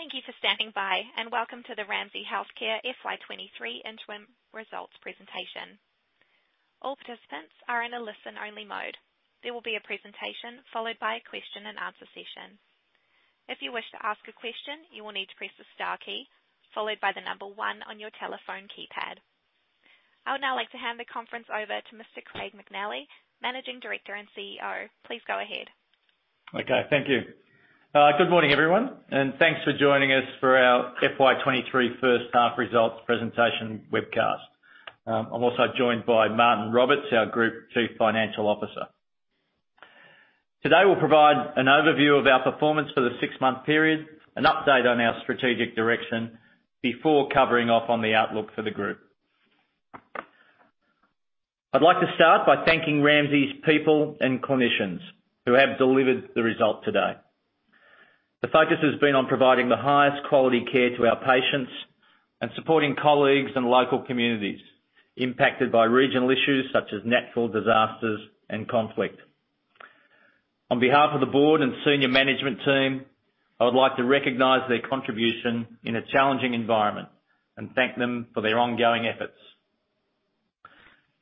Thank you for standing by, welcome to the Ramsay Health Care FY 2023 interim results presentation. All participants are in a listen-only mode. There will be a presentation followed by a question and answer session. If you wish to ask a question, you will need to press the star key followed by the number 1 on your telephone keypad. I would now like to hand the conference over to Mr. Craig McNally, Managing Director and CEO. Please go ahead. Okay. Thank you. Good morning, everyone, and thanks for joining us for our FY 2023 first half results presentation webcast. I'm also joined by Martyn Roberts, our Group Chief Financial Officer. Today, we'll provide an overview of our performance for the 6-month period, an update on our strategic direction before covering off on the outlook for the group. I'd like to start by thanking Ramsay's people and clinicians who have delivered the result today. The focus has been on providing the highest quality care to our patients and supporting colleagues and local communities impacted by regional issues such as natural disasters and conflict. On behalf of the board and senior management team, I would like to recognize their contribution in a challenging environment and thank them for their ongoing efforts.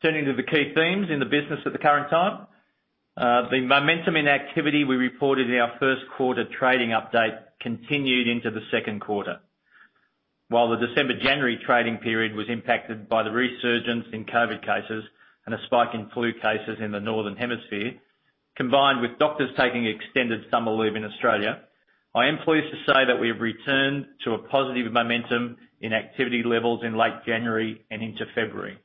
Turning to the key themes in the business at the current time. The momentum in activity we reported in our 1st quarter trading update continued into the 2nd quarter. While the December-January trading period was impacted by the resurgence in COVID cases and a spike in flu cases in the Northern Hemisphere, combined with doctors taking extended summer leave in Australia, I am pleased to say that we have returned to a positive momentum in activity levels in late January and into February.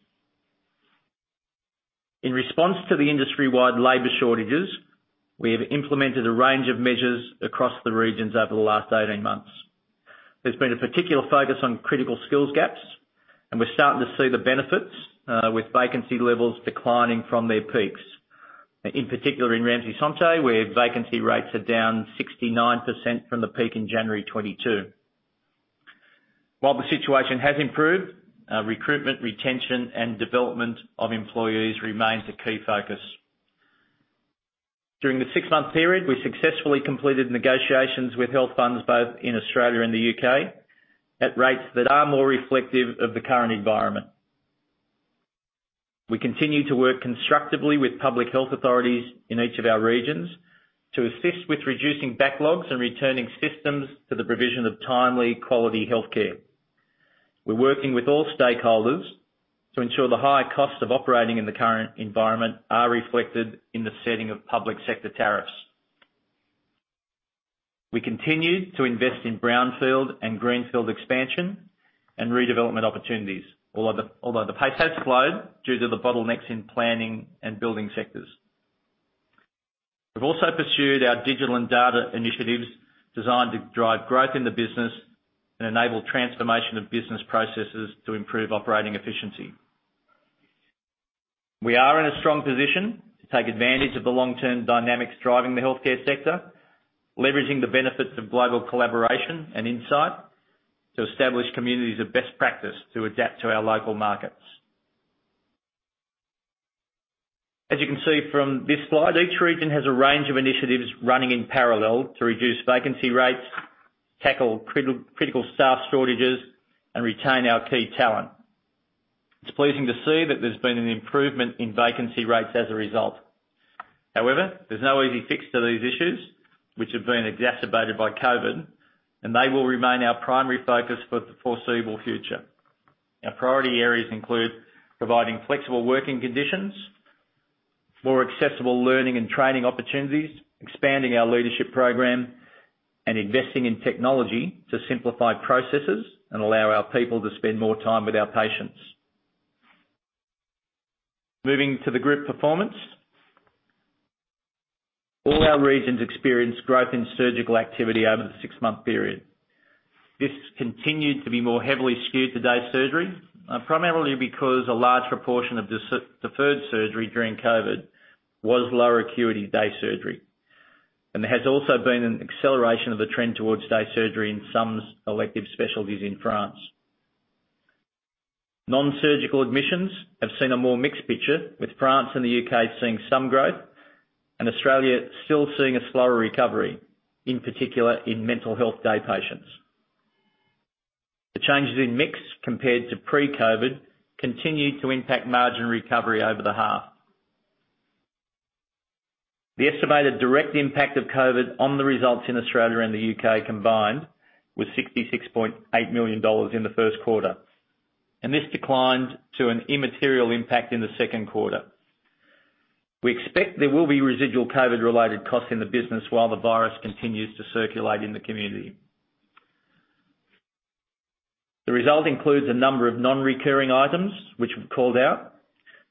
In response to the industry-wide labor shortages, we have implemented a range of measures across the regions over the last 18 months. There's been a particular focus on critical skills gaps, and we're starting to see the benefits, with vacancy levels declining from their peaks. In particular in Ramsay Santé, where vacancy rates are down 69% from the peak in January 2022. While the situation has improved, recruitment, retention, and development of employees remains a key focus. During the six-month period, we successfully completed negotiations with health funds both in Australia and the U.K. at rates that are more reflective of the current environment. We continue to work constructively with public health authorities in each of our regions to assist with reducing backlogs and returning systems to the provision of timely, quality healthcare. We're working with all stakeholders to ensure the high costs of operating in the current environment are reflected in the setting of public sector tariffs. We continue to invest in brownfield and greenfield expansion and redevelopment opportunities, although the pace has slowed due to the bottlenecks in planning and building sectors. We've also pursued our digital and data initiatives designed to drive growth in the business and enable transformation of business processes to improve operating efficiency. We are in a strong position to take advantage of the long-term dynamics driving the healthcare sector, leveraging the benefits of global collaboration and insight to establish communities of best practice to adapt to our local markets. As you can see from this slide, each region has a range of initiatives running in parallel to reduce vacancy rates, tackle critical staff shortages, and retain our key talent. It's pleasing to see that there's been an improvement in vacancy rates as a result. However, there's no easy fix to these issues, which have been exacerbated by COVID, and they will remain our primary focus for the foreseeable future. Our priority areas include providing flexible working conditions, more accessible learning and training opportunities, expanding our leadership program, and investing in technology to simplify processes and allow our people to spend more time with our patients. Moving to the group performance. All our regions experienced growth in surgical activity over the six-month period. This continued to be more heavily skewed to day surgery, primarily because a large proportion of deferred surgery during COVID was lower acuity day surgery. There has also been an acceleration of the trend towards day surgery in some elective specialties in France. Non-surgical admissions have seen a more mixed picture, with France and the U.K. seeing some growth and Australia still seeing a slower recovery, in particular in mental health day patients. The changes in mix compared to pre-COVID continued to impact margin recovery over the half. The estimated direct impact of COVID on the results in Australia and the U.K. combined was 66.8 million dollars in the first quarter, and this declined to an immaterial impact in the second quarter. We expect there will be residual COVID-related costs in the business while the virus continues to circulate in the community. The result includes a number of non-recurring items which we've called out.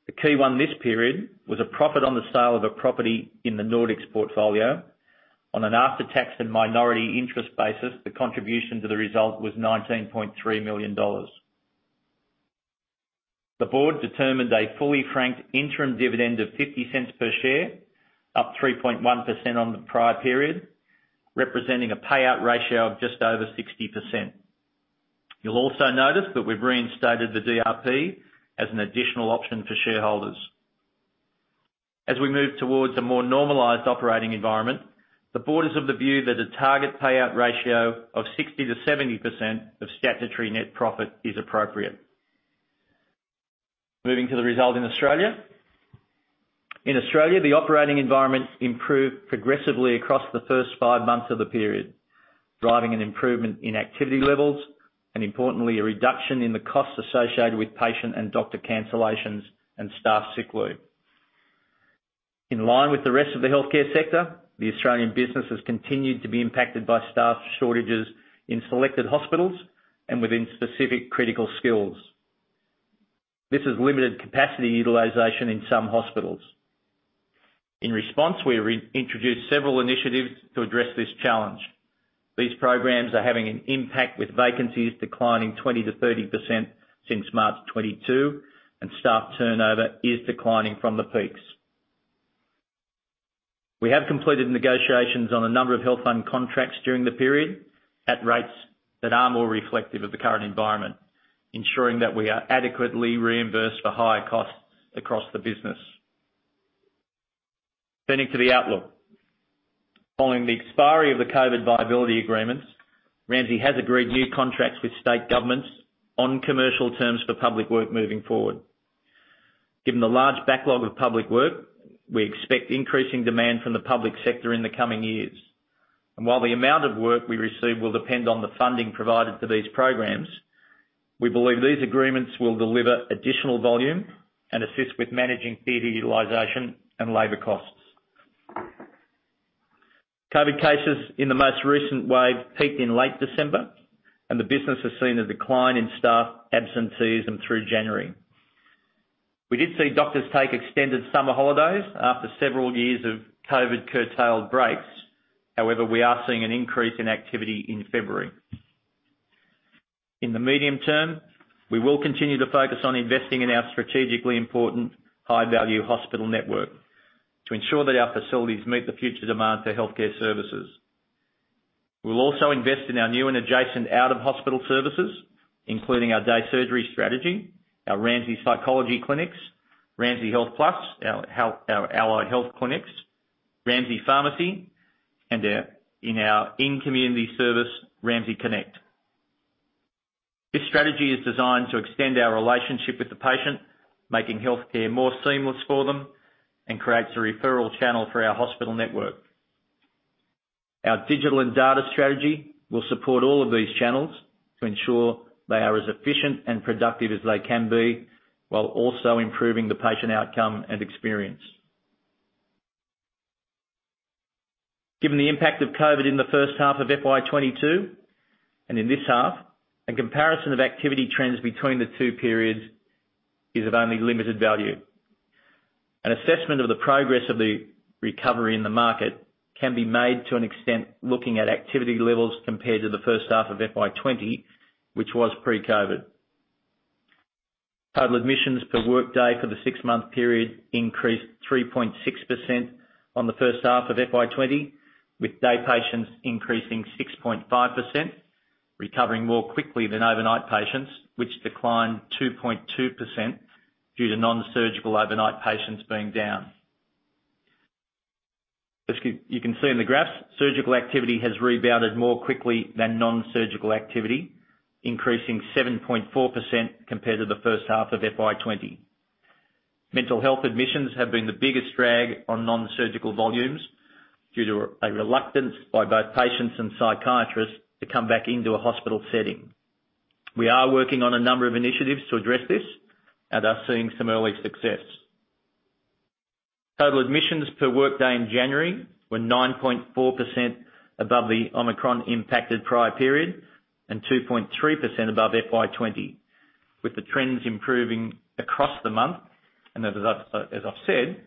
The key one this period was a profit on the sale of a property in the Nordics portfolio. On an after-tax and minority interest basis, the contribution to the result was 19.3 million dollars. The board determined a fully franked interim dividend of 0.50 per share, up 3.1% on the prior period, representing a payout ratio of just over 60%. You'll also notice that we've reinstated the DRP as an additional option for shareholders. As we move towards a more normalized operating environment, the board is of the view that a target payout ratio of 60%-70% of statutory net profit is appropriate. Moving to the result in Australia. In Australia, the operating environment improved progressively across the first five months of the period, driving an improvement in activity levels, and importantly, a reduction in the costs associated with patient and doctor cancellations and staff sick leave. In line with the rest of the healthcare sector, the Australian business has continued to be impacted by staff shortages in selected hospitals and within specific critical skills. This has limited capacity utilization in some hospitals. In response, we re-introduced several initiatives to address this challenge. These programs are having an impact, with vacancies declining 20%-30% since March 2022, and staff turnover is declining from the peaks. We have completed negotiations on a number of health fund contracts during the period at rates that are more reflective of the current environment, ensuring that we are adequately reimbursed for higher costs across the business. Turning to the outlook. Following the expiry of the COVID viability agreements, Ramsay has agreed new contracts with state governments on commercial terms for public work moving forward. While the amount of work we receive will depend on the funding provided for these programs, we believe these agreements will deliver additional volume and assist with managing theater utilization and labor costs. COVID cases in the most recent wave peaked in late December, and the business has seen a decline in staff absentees and through January. We did see doctors take extended summer holidays after several years of COVID curtailed breaks. However, we are seeing an increase in activity in February. In the medium term, we will continue to focus on investing in our strategically important high-value hospital network to ensure that our facilities meet the future demand for healthcare services. We'll also invest in our new and adjacent out-of-hospital services, including our day surgery strategy, our Ramsay Psychology Clinics, Ramsay Health Plus, our allied health clinics, Ramsay Pharmacy, and in our in-community service, Ramsay Connect. This strategy is designed to extend our relationship with the patient, making healthcare more seamless for them, and creates a referral channel for our hospital network. Our digital and data strategy will support all of these channels to ensure they are as efficient and productive as they can be while also improving the patient outcome and experience. Given the impact of COVID in the first half of FY 2022 and in this half, a comparison of activity trends between the two periods is of only limited value. An assessment of the progress of the recovery in the market can be made to an extent looking at activity levels compared to the first half of FY 2020, which was pre-COVID. Total admissions per workday for the six-month period increased 3.6% on the first half of FY 2020, with day patients increasing 6.5%, recovering more quickly than overnight patients, which declined 2.2% due to nonsurgical overnight patients being down. As you can see in the graphs, surgical activity has rebounded more quickly than nonsurgical activity, increasing 7.4% compared to the first half of FY 2020. Mental health admissions have been the biggest drag on nonsurgical volumes due to a reluctance by both patients and psychiatrists to come back into a hospital setting. We are working on a number of initiatives to address this and are seeing some early success. Total admissions per workday in January were 9.4% above the Omicron impacted prior period and 2.3% above FY 2020, with the trends improving across the month. As I've said,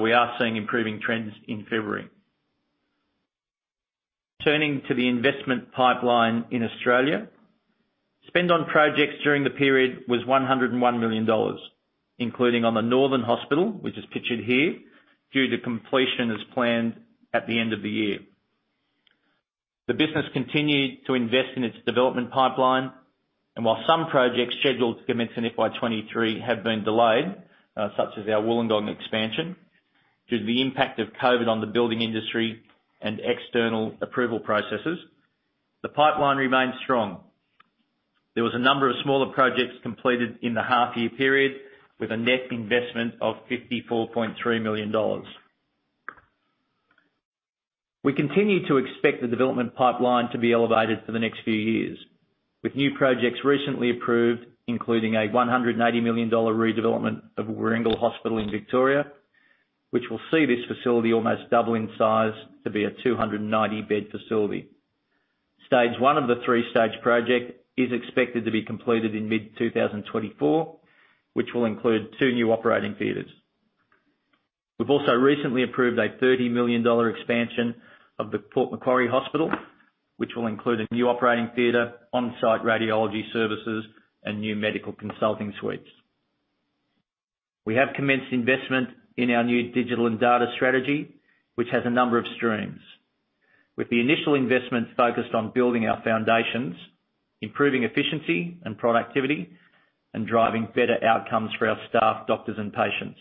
we are seeing improving trends in February. Turning to the investment pipeline in Australia. Spend on projects during the period was 101 million dollars, including on the Northern Hospital, which is pictured here, due to completion as planned at the end of the year. The business continued to invest in its development pipeline, and while some projects scheduled to commence in FY 2023 have been delayed, such as our Wollongong expansion, due to the impact of COVID on the building industry and external approval processes, the pipeline remains strong. There was a number of smaller projects completed in the half year period, with a net investment of 54.3 million dollars. We continue to expect the development pipeline to be elevated for the next few years, with new projects recently approved, including an 180 million dollar redevelopment of Warringal Private Hospital in Victoria, which will see this facility almost double in size to be a 290-bed facility. Stage 1 of the three-stage project is expected to be completed in mid-2024, which will include two new operating theaters. We've also recently approved an 30 million dollar expansion of the Port Macquarie Hospital, which will include a new operating theater, on-site radiology services, and new medical consulting suites. We have commenced investment in our new digital and data strategy, which has a number of streams. The initial investments focused on building our foundations, improving efficiency and productivity, and driving better outcomes for our staff, doctors, and patients.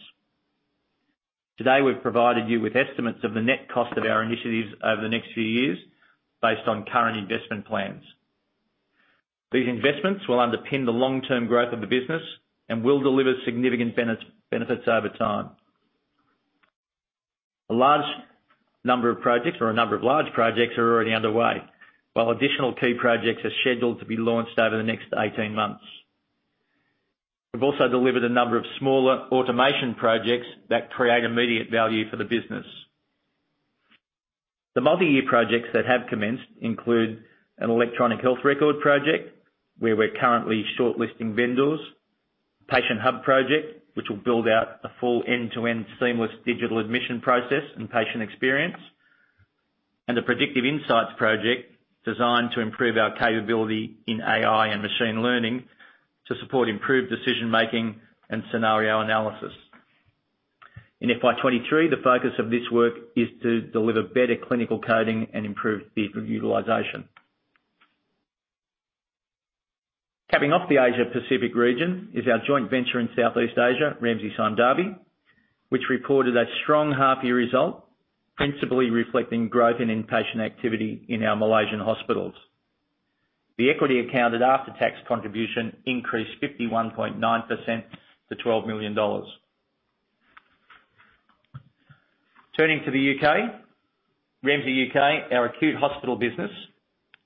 Today, we've provided you with estimates of the net cost of our initiatives over the next few years based on current investment plans. These investments will underpin the long-term growth of the business and will deliver significant benefits over time. A number of large projects are already underway, while additional key projects are scheduled to be launched over the next 18 months. We've also delivered a number of smaller automation projects that create immediate value for the business. The multi-year projects that have commenced include an Electronic Health Record project, where we're currently shortlisting vendors, Patient Hub project, which will build out a full end-to-end seamless digital admission process and patient experience, and a predictive insights project designed to improve our capability in AI and machine learning to support improved decision-making and scenario analysis. In FY 2023, the focus of this work is to deliver better clinical coding and improve theater utilization. Capping off the Asia Pacific region is our joint venture in Southeast Asia, Ramsay Sime Darby, which reported a strong half-year result, principally reflecting growth in inpatient activity in our Malaysian hospitals. The equity accounted after-tax contribution increased 51.9% to AUD 12 million. Turning to the U.K. Ramsay UK, our acute hospital business,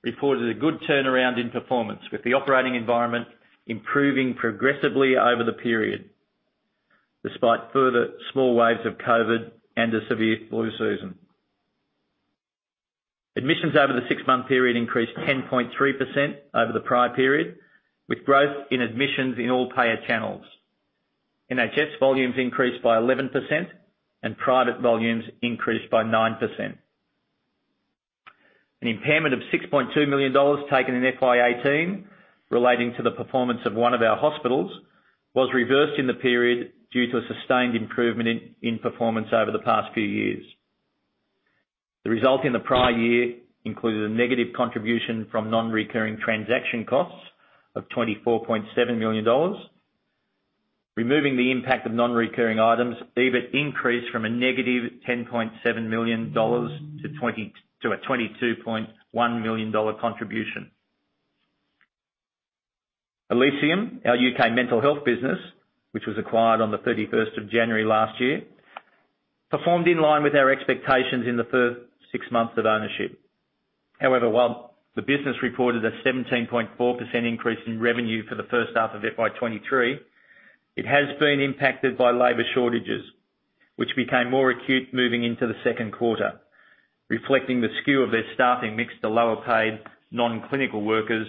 reported a good turnaround in performance, with the operating environment improving progressively over the period, despite further small waves of COVID and a severe flu season. Admissions over the six-month period increased 10.3% over the prior period, with growth in admissions in all payer channels. NHS volumes increased by 11%, and private volumes increased by 9%. An impairment of 6.2 million dollars taken in FY 2018 relating to the performance of one of our hospitals was reversed in the period due to a sustained improvement in performance over the past few years. The result in the prior year included a negative contribution from non-recurring transaction costs of 24.7 million dollars. Removing the impact of non-recurring items, EBIT increased from a negative 10.7 million dollars to a 22.1 million dollar contribution. Elysium, our U.K. mental health business, which was acquired on the 31st of January last year, performed in line with our expectations in the first six months of ownership. However, while the business reported a 17.4% increase in revenue for the first half of FY 2023, it has been impacted by labor shortages, which became more acute moving into the second quarter, reflecting the skew of their staffing mix to lower-paid non-clinical workers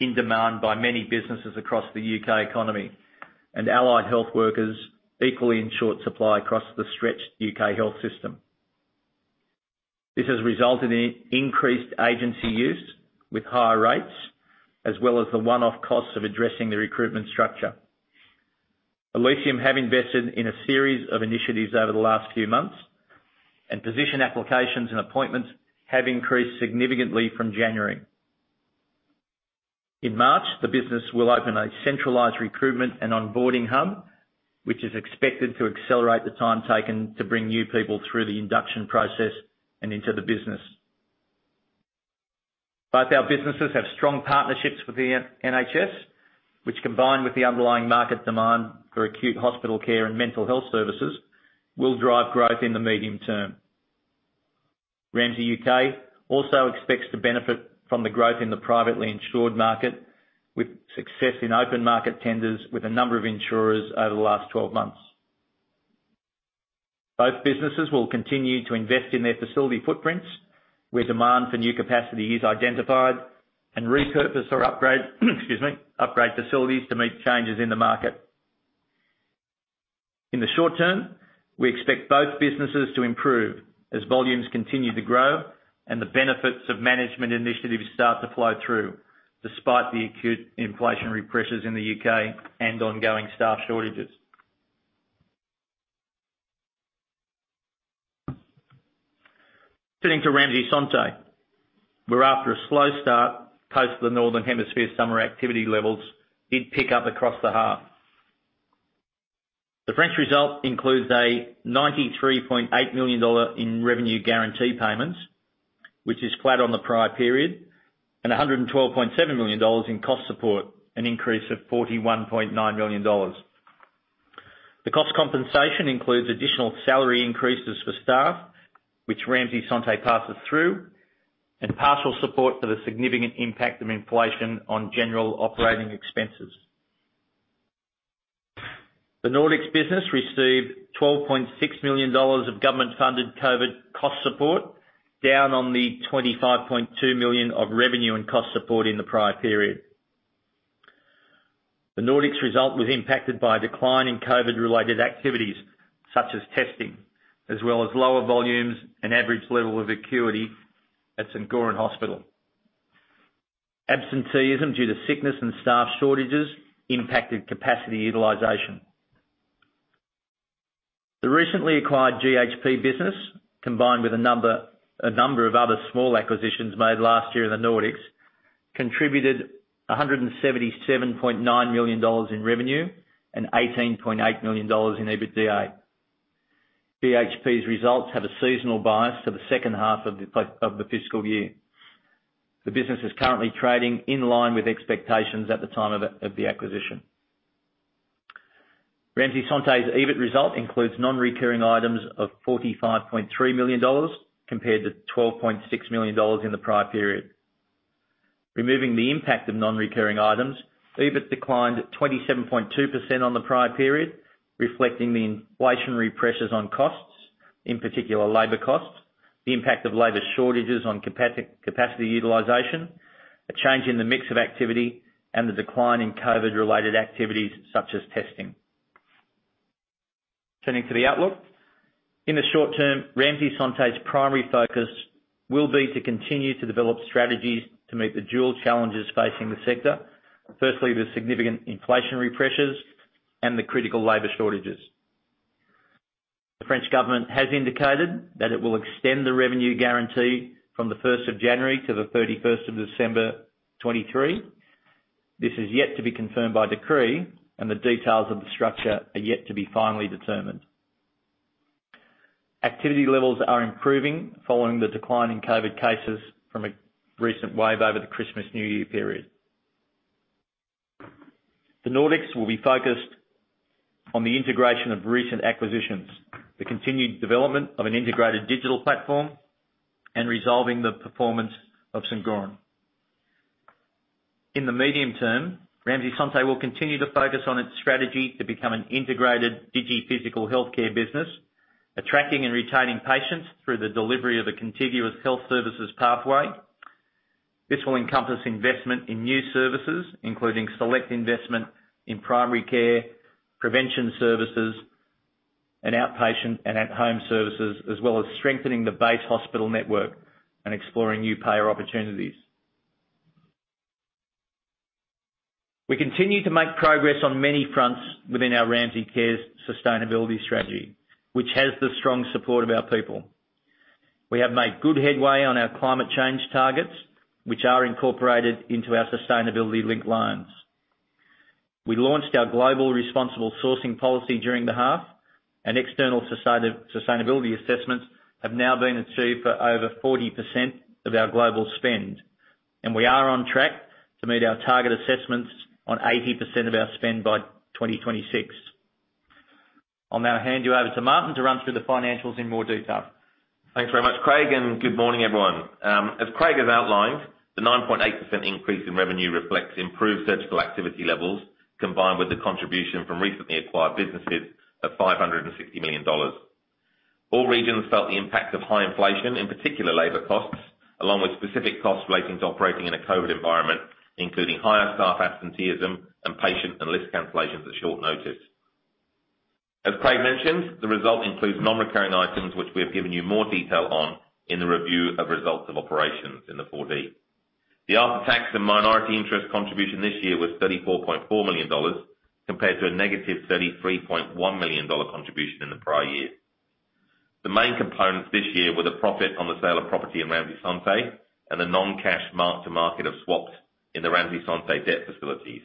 in demand by many businesses across the UK economy, and allied health workers equally in short supply across the stretched UK health system. This has resulted in increased agency use with higher rates, as well as the one-off costs of addressing the recruitment structure. Elysium have invested in a series of initiatives over the last few months. Position applications and appointments have increased significantly from January. In March, the business will open a centralized recruitment and onboarding hub, which is expected to accelerate the time taken to bring new people through the induction process and into the business. Both our businesses have strong partnerships with the NHS, which, combined with the underlying market demand for acute hospital care and mental health services, will drive growth in the medium term. Ramsay UK also expects to benefit from the growth in the privately insured market with success in open market tenders with a number of insurers over the last 12 months. Both businesses will continue to invest in their facility footprints, where demand for new capacity is identified, and repurpose or upgrade facilities to meet changes in the market. In the short term, we expect both businesses to improve as volumes continue to grow and the benefits of management initiatives start to flow through, despite the acute inflationary pressures in the U.K. and ongoing staff shortages. Turning to Ramsay Santé, where after a slow start post the Northern Hemisphere summer activity levels did pick up across the half. The French result includes AUD 93.8 million in revenue guarantee payments, which is flat on the prior period, and AUD 112.7 million in cost support, an increase of AUD 41.9 million. The cost compensation includes additional salary increases for staff, which Ramsay Santé passes through and partial support for the significant impact of inflation on general operating expenses. The Nordics received 12.6 million dollars of government-funded COVID cost support, down on the 25.2 million of revenue and cost support in the prior period. The Nordics result was impacted by a decline in COVID-related activities such as testing, as well as lower volumes and average level of acuity at St. Göran Hospital. Absenteeism due to sickness and staff shortages impacted capacity utilization. The recently acquired GHP, combined with a number of other small acquisitions made last year in the Nordics, contributed 177.9 million dollars in revenue and 18.8 million dollars in EBITDA. GHP's results have a seasonal bias to the second half of the fiscal year. The business is currently trading in line with expectations at the time of the acquisition. Ramsay Santé's EBIT result includes non-recurring items of 45.3 million dollars compared to 12.6 million dollars in the prior period. Removing the impact of non-recurring items, EBIT declined 27.2% on the prior period, reflecting the inflationary pressures on costs, in particular labor costs, the impact of labor shortages on capacity utilization, a change in the mix of activity and the decline in COVID-related activities such as testing. Turning to the outlook. In the short term, Ramsay Santé's primary focus will be to continue to develop strategies to meet the dual challenges facing the sector. Firstly, the significant inflationary pressures and the critical labor shortages. The French government has indicated that it will extend the revenue guarantee from the first of January to the thirty-first of December 2023. This is yet to be confirmed by decree. The details of the structure are yet to be finally determined. Activity levels are improving following the decline in COVID cases from a recent wave over the Christmas-New Year period. The Nordics will be focused on the integration of recent acquisitions, the continued development of an integrated digital platform, and resolving the performance of Sun Garden. In the medium term, Ramsay Santé will continue to focus on its strategy to become an integrated digi-physical healthcare business, attracting and retaining patients through the delivery of a contiguous health services pathway. This will encompass investment in new services, including select investment in primary care, prevention services and outpatient and at-home services, as well as strengthening the base hospital network and exploring new payer opportunities. We continue to make progress on many fronts within our Ramsay Cares sustainability strategy, which has the strong support of our people. We have made good headway on our climate change targets, which are incorporated into our sustainability-linked loans. We launched our global responsible sourcing policy during the half, and external sustainability assessments have now been achieved for over 40% of our global spend, and we are on track to meet our target assessments on 80% of our spend by 2026. I'll now hand you over to Martyn to run through the financials in more detail. Thanks very much, Craig, good morning, everyone. As Craig has outlined, the 9.8% increase in revenue reflects improved surgical activity levels, combined with the contribution from recently acquired businesses of 560 million dollars. All regions felt the impact of high inflation, in particular labor costs, along with specific costs relating to operating in a COVID environment, including higher staff absenteeism and patient and list cancellations at short notice. As Craig mentioned, the result includes non-recurring items, which we have given you more detail on in the review of results of operations in the 4D. The after-tax and minority interest contribution this year was 34.4 million dollars, compared to a -33.1 million dollar contribution in the prior year. The main components this year were the profit on the sale of property in Ramsay Santé and the non-cash mark-to-market of swaps in the Ramsay Santé debt facilities.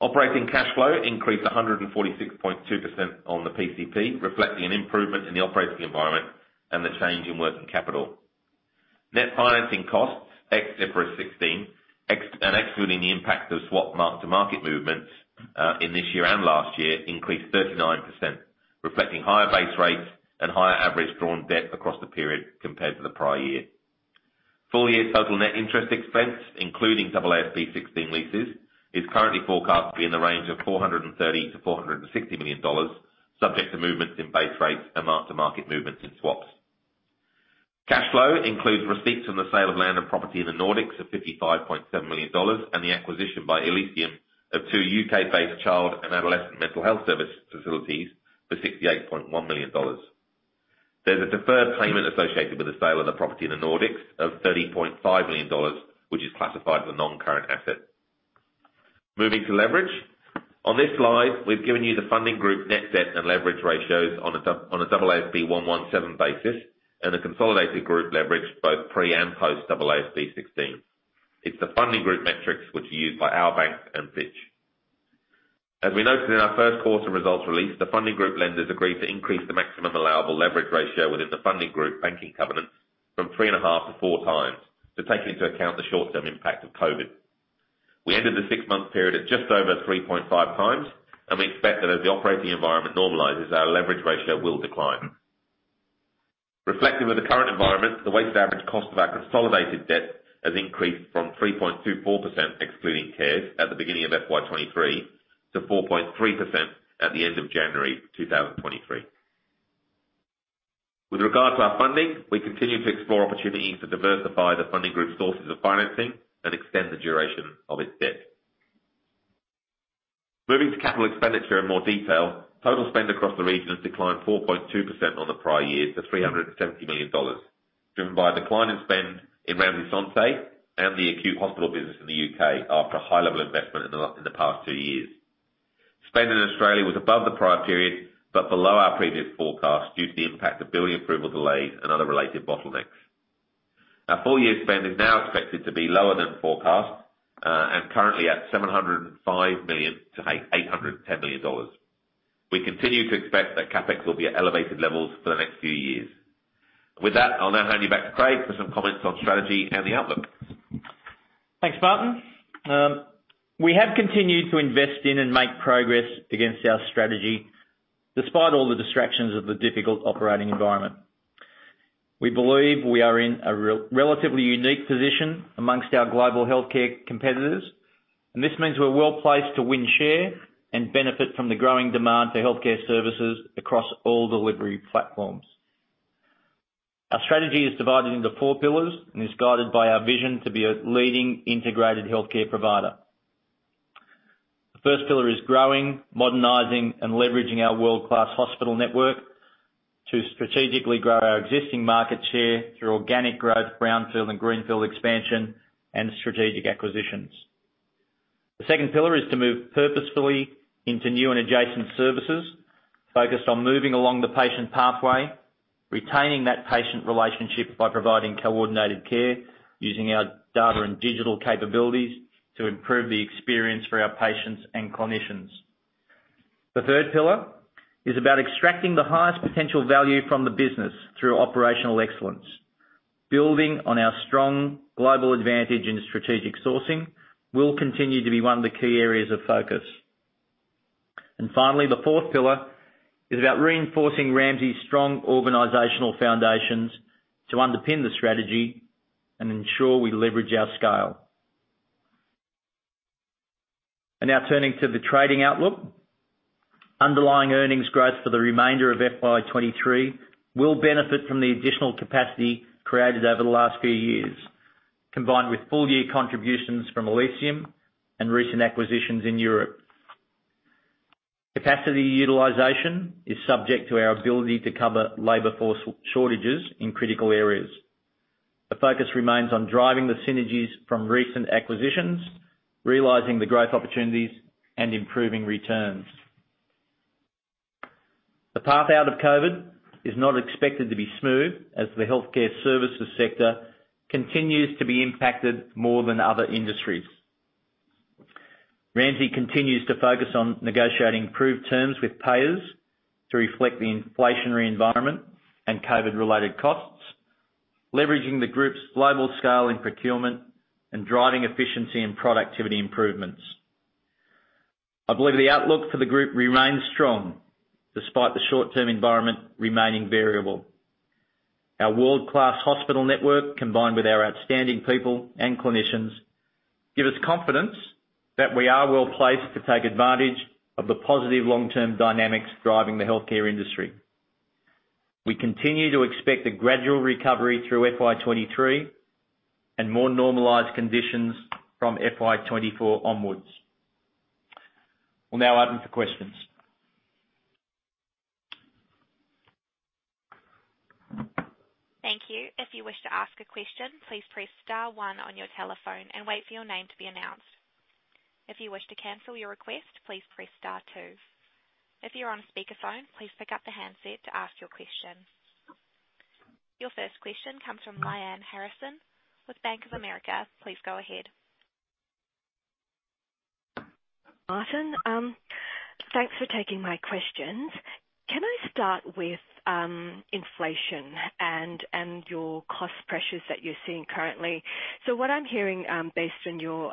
Operating cash flow increased 146.2% on the PCP, reflecting an improvement in the operating environment and the change in working capital. Net financing costs, excluding the impact of swap mark-to-market movements, in this year and last year, increased 39%, reflecting higher base rates and higher average drawn debt across the period compared to the prior year. Full year total net interest expense, including AASB 16 leases, is currently forecast to be in the range of 430 million-460 million dollars, subject to movements in base rates and mark-to-market movements in swaps. Cash flow includes receipts from the sale of land and property in the Nordics of AUD 55.7 million and the acquisition by Elysium of two UK-based child and adolescent mental health service facilities for 68.1 million dollars. There's a deferred payment associated with the sale of the property in the Nordics of 30.5 million dollars, which is classified as a non-current asset. Moving to leverage. On this slide, we've given you the funding group net debt and leverage ratios on a AASB 117 basis and the consolidated group leverage both pre and post AASB 16. It's the funding group metrics which are used by our banks and Fitch. As we noted in our 1st quarter results release, the funding group lenders agreed to increase the maximum allowable leverage ratio within the funding group banking covenant from 3.5x-4x to take into account the short-term impact of COVID. We ended the 6-month period at just over 3.5x. We expect that as the operating environment normalizes, our leverage ratio will decline. Reflective of the current environment, the weighted average cost of our consolidated debt has increased from 3.24%, excluding leases, at the beginning of FY 2023 to 4.3% at the end of January 2023. With regard to our funding, we continue to explore opportunities to diversify the funding group sources of financing and extend the duration of its debt. Moving to capital expenditure in more detail, total spend across the region has declined 4.2% on the prior year to 370 million dollars. Driven by decline in spend in Ramsay Santé and the acute hospital business in the U.K. after a high level investment in the past two years. Spend in Australia was above the prior period, but below our previous forecast, due to the impact of building approval delays and other related bottlenecks. Our full year spend is now expected to be lower than forecast, and currently at 705 million-810 million dollars. We continue to expect that CapEx will be at elevated levels for the next few years. With that, I'll now hand you back to Craig for some comments on strategy and the outlook. Thanks, Martyn. We have continued to invest in and make progress against our strategy despite all the distractions of the difficult operating environment. We believe we are in a relatively unique position amongst our global healthcare competitors. This means we're well-placed to win, share, and benefit from the growing demand for healthcare services across all delivery platforms. Our strategy is divided into four pillars and is guided by our vision to be a leading integrated healthcare provider. The first pillar is growing, modernizing, and leveraging our world-class hospital network to strategically grow our existing market share through organic growth, brownfield and greenfield expansion, and strategic acquisitions. The second pillar is to move purposefully into new and adjacent services, focused on moving along the patient pathway, retaining that patient relationship by providing coordinated care using our data and digital capabilities to improve the experience for our patients and clinicians. The third pillar is about extracting the highest potential value from the business through operational excellence. Building on our strong global advantage in strategic sourcing will continue to be one of the key areas of focus. Finally, the fourth pillar is about reinforcing Ramsay's strong organizational foundations to underpin the strategy and ensure we leverage our scale. Now turning to the trading outlook. Underlying earnings growth for the remainder of FY 2023 will benefit from the additional capacity created over the last few years, combined with full year contributions from Elysium and recent acquisitions in Europe. Capacity utilization is subject to our ability to cover labor force shortages in critical areas. The focus remains on driving the synergies from recent acquisitions, realizing the growth opportunities, and improving returns. The path out of COVID is not expected to be smooth as the healthcare services sector continues to be impacted more than other industries. Ramsay continues to focus on negotiating improved terms with payers to reflect the inflationary environment and COVID-related costs, leveraging the group's global scale in procurement and driving efficiency and productivity improvements. I believe the outlook for the group remains strong despite the short-term environment remaining variable. Our world-class hospital network, combined with our outstanding people and clinicians, give us confidence that we are well-placed to take advantage of the positive long-term dynamics driving the healthcare industry. We continue to expect a gradual recovery through FY 2023 and more normalized conditions from FY 2024 onwards. We'll now open for questions. Thank you. If you wish to ask a question, please press star one on your telephone and wait for your name to be announced. If you wish to cancel your request, please press star two. If you're on speakerphone, please pick up the handset to ask your question. Your first question comes from Lyanne Harrison with Bank of America. Please go ahead. Martyn, thanks for taking my questions. Can I start with inflation and your cost pressures that you're seeing currently? What I'm hearing, based on your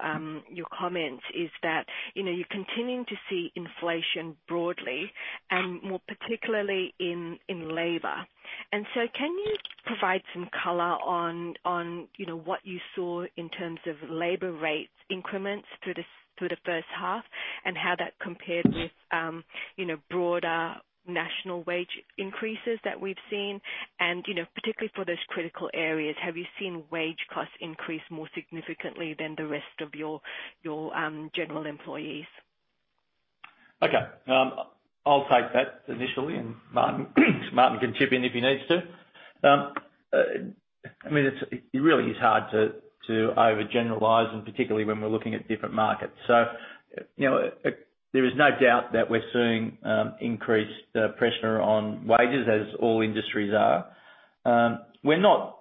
comments, is that, you know, you're continuing to see inflation broadly and more particularly in labor. Can you provide some color on, you know, what you saw in terms of labor rate increments through the first half and how that compared with, you know, broader national wage increases that we've seen and, you know, particularly for those critical areas, have you seen wage costs increase more significantly than the rest of your general employees? Okay. I'll take that initially. Martin can chip in if he needs to. I mean, it's, it really is hard to overgeneralize, and particularly when we're looking at different markets. You know, there is no doubt that we're seeing, increased, pressure on wages as all industries are. We're not,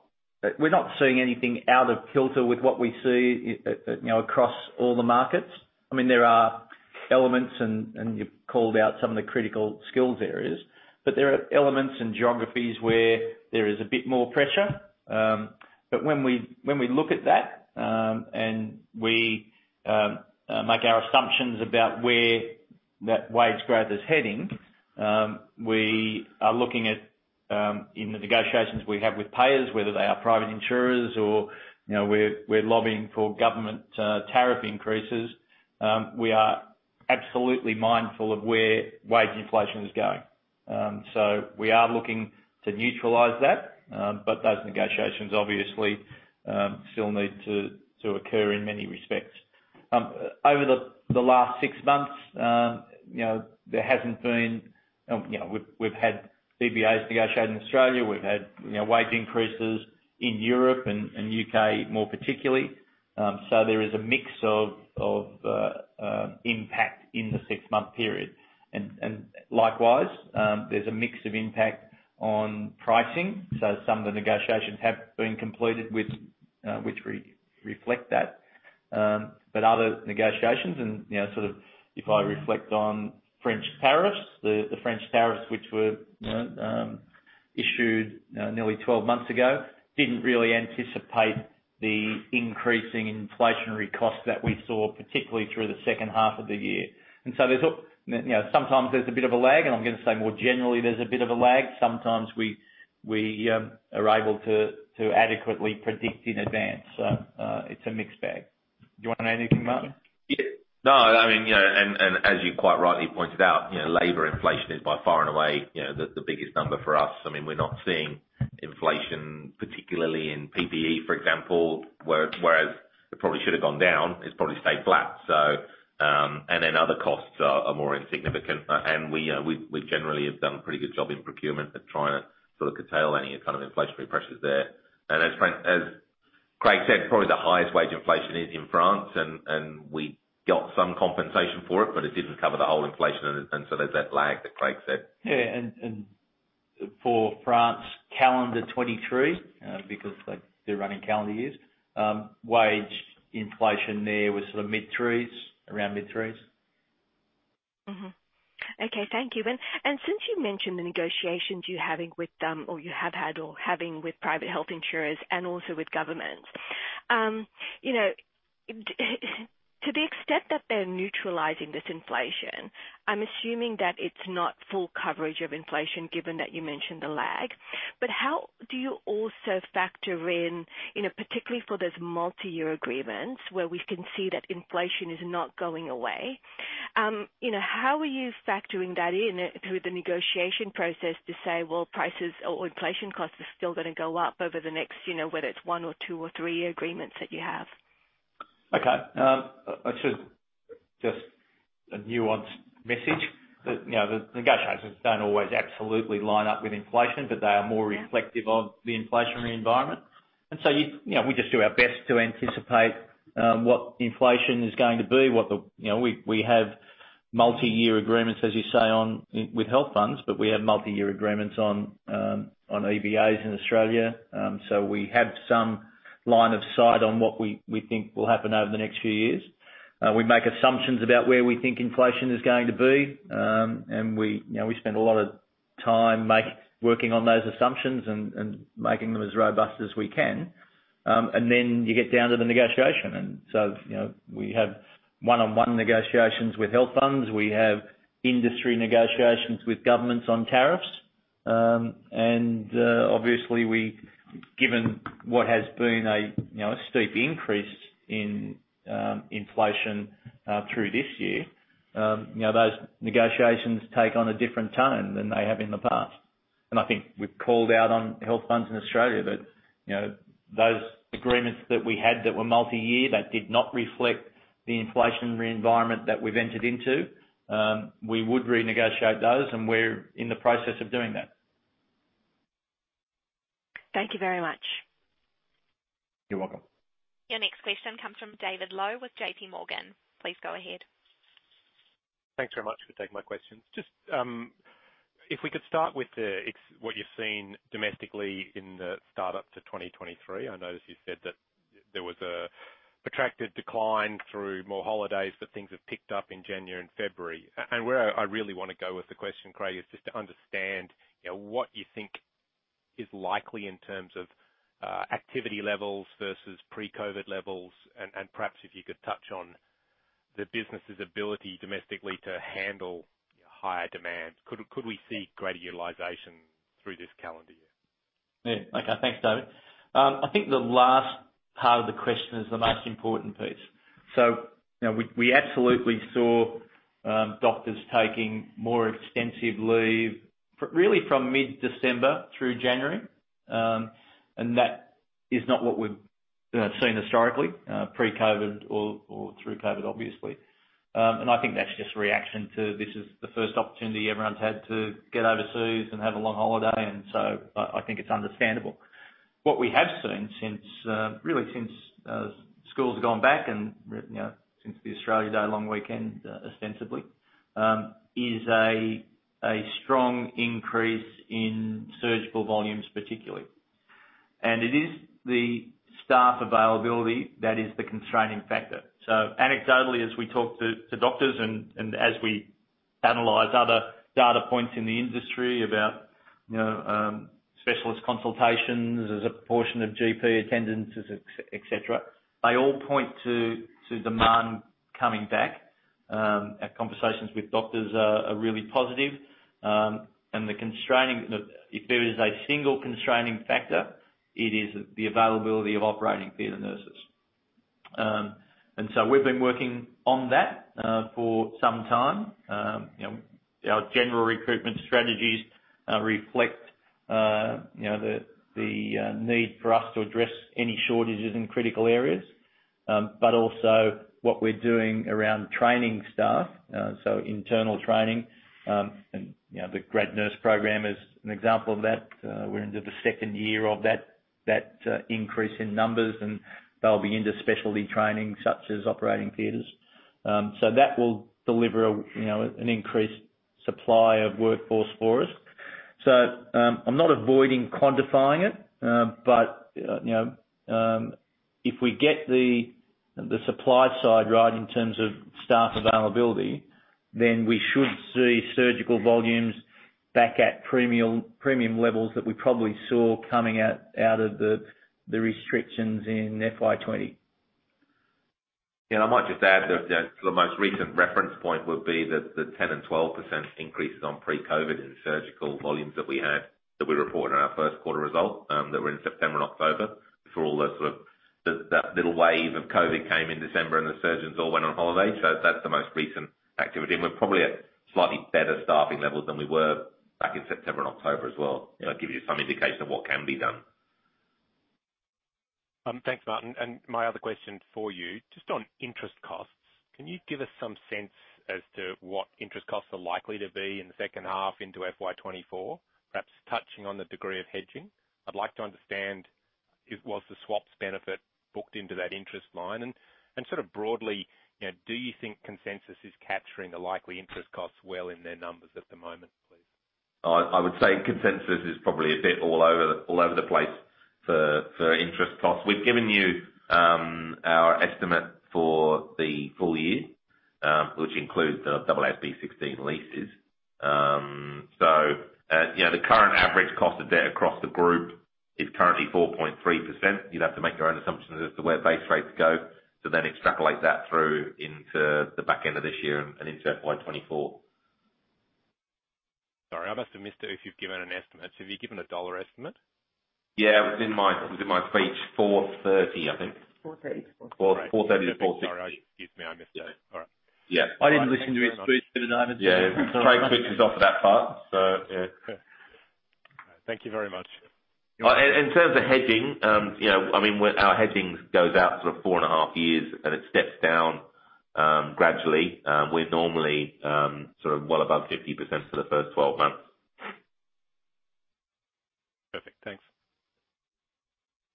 we're not seeing anything out of kilter with what we see, you know, across all the markets. I mean, there are elements and you called out some of the critical skills areas, but there are elements in geographies where there is a bit more pressure. When we, when we look at that, and we make our assumptions about where that wage growth is heading, we are looking at, in the negotiations we have with payers, whether they are private insurers or, you know, we're lobbying for government tariff increases. We are absolutely mindful of where wage inflation is going. We are looking to neutralize that, but those negotiations obviously still need to occur in many respects. Over the last six months, you know, we've had CBAs negotiated in Australia. We've had, you know, wage increases in Europe and U.K. more particularly. There is a mix of impact in the six-month period. Likewise, there's a mix of impact on pricing. Some of the negotiations have been completed with which reflect that. Other negotiations and, you know, sort of if I reflect on French tariffs, the French tariffs, which were issued nearly 12 months ago, didn't really anticipate the increasing inflationary costs that we saw, particularly through the second half of the year. You know, sometimes there's a bit of a lag, and I'm gonna say more generally there's a bit of a lag. Sometimes we are able to adequately predict in advance. It's a mixed bag. Do you wanna add anything, Martyn? Yeah. No, I mean, you know, as you quite rightly pointed out, you know, labor inflation is by far and away, you know, the biggest number for us. I mean, we're not seeing inflation, particularly in PPE, for example, whereas it probably should have gone down, it's probably stayed flat. Other costs are more insignificant. We generally have done a pretty good job in procurement at trying to sort of curtail any kind of inflationary pressures there. As Craig said, probably the highest wage inflation is in France and we got some compensation for it, but it didn't cover the whole inflation and so there's that lag that Craig said. Yeah, and for France calendar 2023, because like they're running calendar years, wage inflation there was around mid-threes. Okay. Thank you. And since you mentioned the negotiations you're having with them or you have had or having with private health insurers and also with governments, you know, to the extent that they're neutralizing this inflation, I'm assuming that it's not full coverage of inflation, given that you mentioned the lag. How do you also factor in, you know, particularly for those multi-year agreements where we can see that inflation is not going away, you know, how are you factoring that in through the negotiation process to say, "Well, prices or inflation costs are still gonna go up over the next, you know, whether it's one or two or three-year agreements that you have? I should just a nuanced message that, you know, the negotiations don't always absolutely line up with inflation, but they are reflective of the inflationary environment. You know, we just do our best to anticipate, what inflation is going to be. You know, we have multi-year agreements, as you say, on with health funds, we have multi-year agreements on EBAs in Australia. We have some line of sight on what we think will happen over the next few years. We make assumptions about where we think inflation is going to be. You know, we spend a lot of time working on those assumptions and making them as robust as we can. Then you get down to the negotiation. You know, we have one-on-one negotiations with health funds. We have industry negotiations with governments on tariffs. Obviously, given what has been a steep increase in inflation through this year, those negotiations take on a different tone than they have in the past. I think we've called out on health funds in Australia that those agreements that we had that were multi-year, that did not reflect the inflationary environment that we've entered into, we would renegotiate those, and we're in the process of doing that. Thank you very much. You're welcome. Your next question comes from David Lowe with JPMorgan. Please go ahead. Thanks very much for taking my questions. Just, if we could start with what you're seeing domestically in the start up to 2023. I noticed you said that there was a protracted decline through more holidays, but things have picked up in January and February. Where I really wanna go with the question, Craig, is just to understand, you know, what you think is likely in terms of activity levels versus pre-COVID levels and perhaps if you could touch on the business' ability domestically to handle higher demand. Could we see greater utilization through this calendar year? Yeah. Okay. Thanks, David. I think the last part of the question is the most important piece. You know, we absolutely saw doctors taking more extensive leave really from mid-December through January, and that is not what we've seen historically pre-COVID or through COVID, obviously. I think that's just a reaction to this is the first opportunity everyone's had to get overseas and have a long holiday, and I think it's understandable. What we have seen since really since schools have gone back and, you know, since the Australia Day long weekend, ostensibly, is a strong increase in surgical volumes, particularly. It is the staff availability that is the constraining factor. Anecdotally, as we talk to doctors and as we analyze other data points in the industry about, you know, specialist consultations as a portion of GP attendance, et cetera, they all point to demand coming back. Our conversations with doctors are really positive. If there is a single constraining factor, it is the availability of operating theater nurses. We've been working on that for some time. You know, our general recruitment strategies reflect, you know, the need for us to address any shortages in critical areas, but also what we're doing around training staff, so internal training, and, you know, the grad nurse program is an example of that. We're into the second year of that increase in numbers, and they'll be into specialty training such as operating theaters. That will deliver, you know, an increased supply of workforce for us. I'm not avoiding quantifying it, but, you know, if we get the supply side right in terms of staff availability, then we should see surgical volumes back at premium levels that we probably saw coming out of the restrictions in FY 2020. Yeah, I might just add that the most recent reference point would be the 10% and 12% increases on pre-COVID in surgical volumes that we had, that we reported in our first quarter result, that were in September and October, before all the sort of. That little wave of COVID came in December and the surgeons all went on holiday. That's the most recent activity. We're probably at slightly better staffing levels than we were back in September and October as well. You know, to give you some indication of what can be done. Thanks, Martyn. My other question for you, just on interest costs, can you give us some sense as to what interest costs are likely to be in the second half into FY 2024? Perhaps touching on the degree of hedging. I'd like to understand if was the swaps benefit booked into that interest line? Sort of broadly, you know, do you think consensus is capturing the likely interest costs well in their numbers at the moment, please? I would say consensus is probably a bit all over the place for interest costs. We've given you our estimate for the full year, which includes the AASB 16 leases. You know, the current average cost of debt across the group is currently 4.3%. You'd have to make your own assumptions as to where base rates go to then extrapolate that through into the back end of this year and into FY 2024. Sorry, I must have missed it if you've given an estimate. Have you given a dollar estimate? It was in my, it was in my speech. 430, I think. 4:30 P.M. 430-460. Sorry. Excuse me, I missed that. All right. Yeah. I didn't listen to his speech, but Yeah. Craig switches off for that part, so yeah. Thank you very much. In terms of hedging, you know, I mean, our hedging goes out sort of four and a half years and it steps down gradually. We're normally sort of well above 50% for the first 12 months. Perfect. Thanks.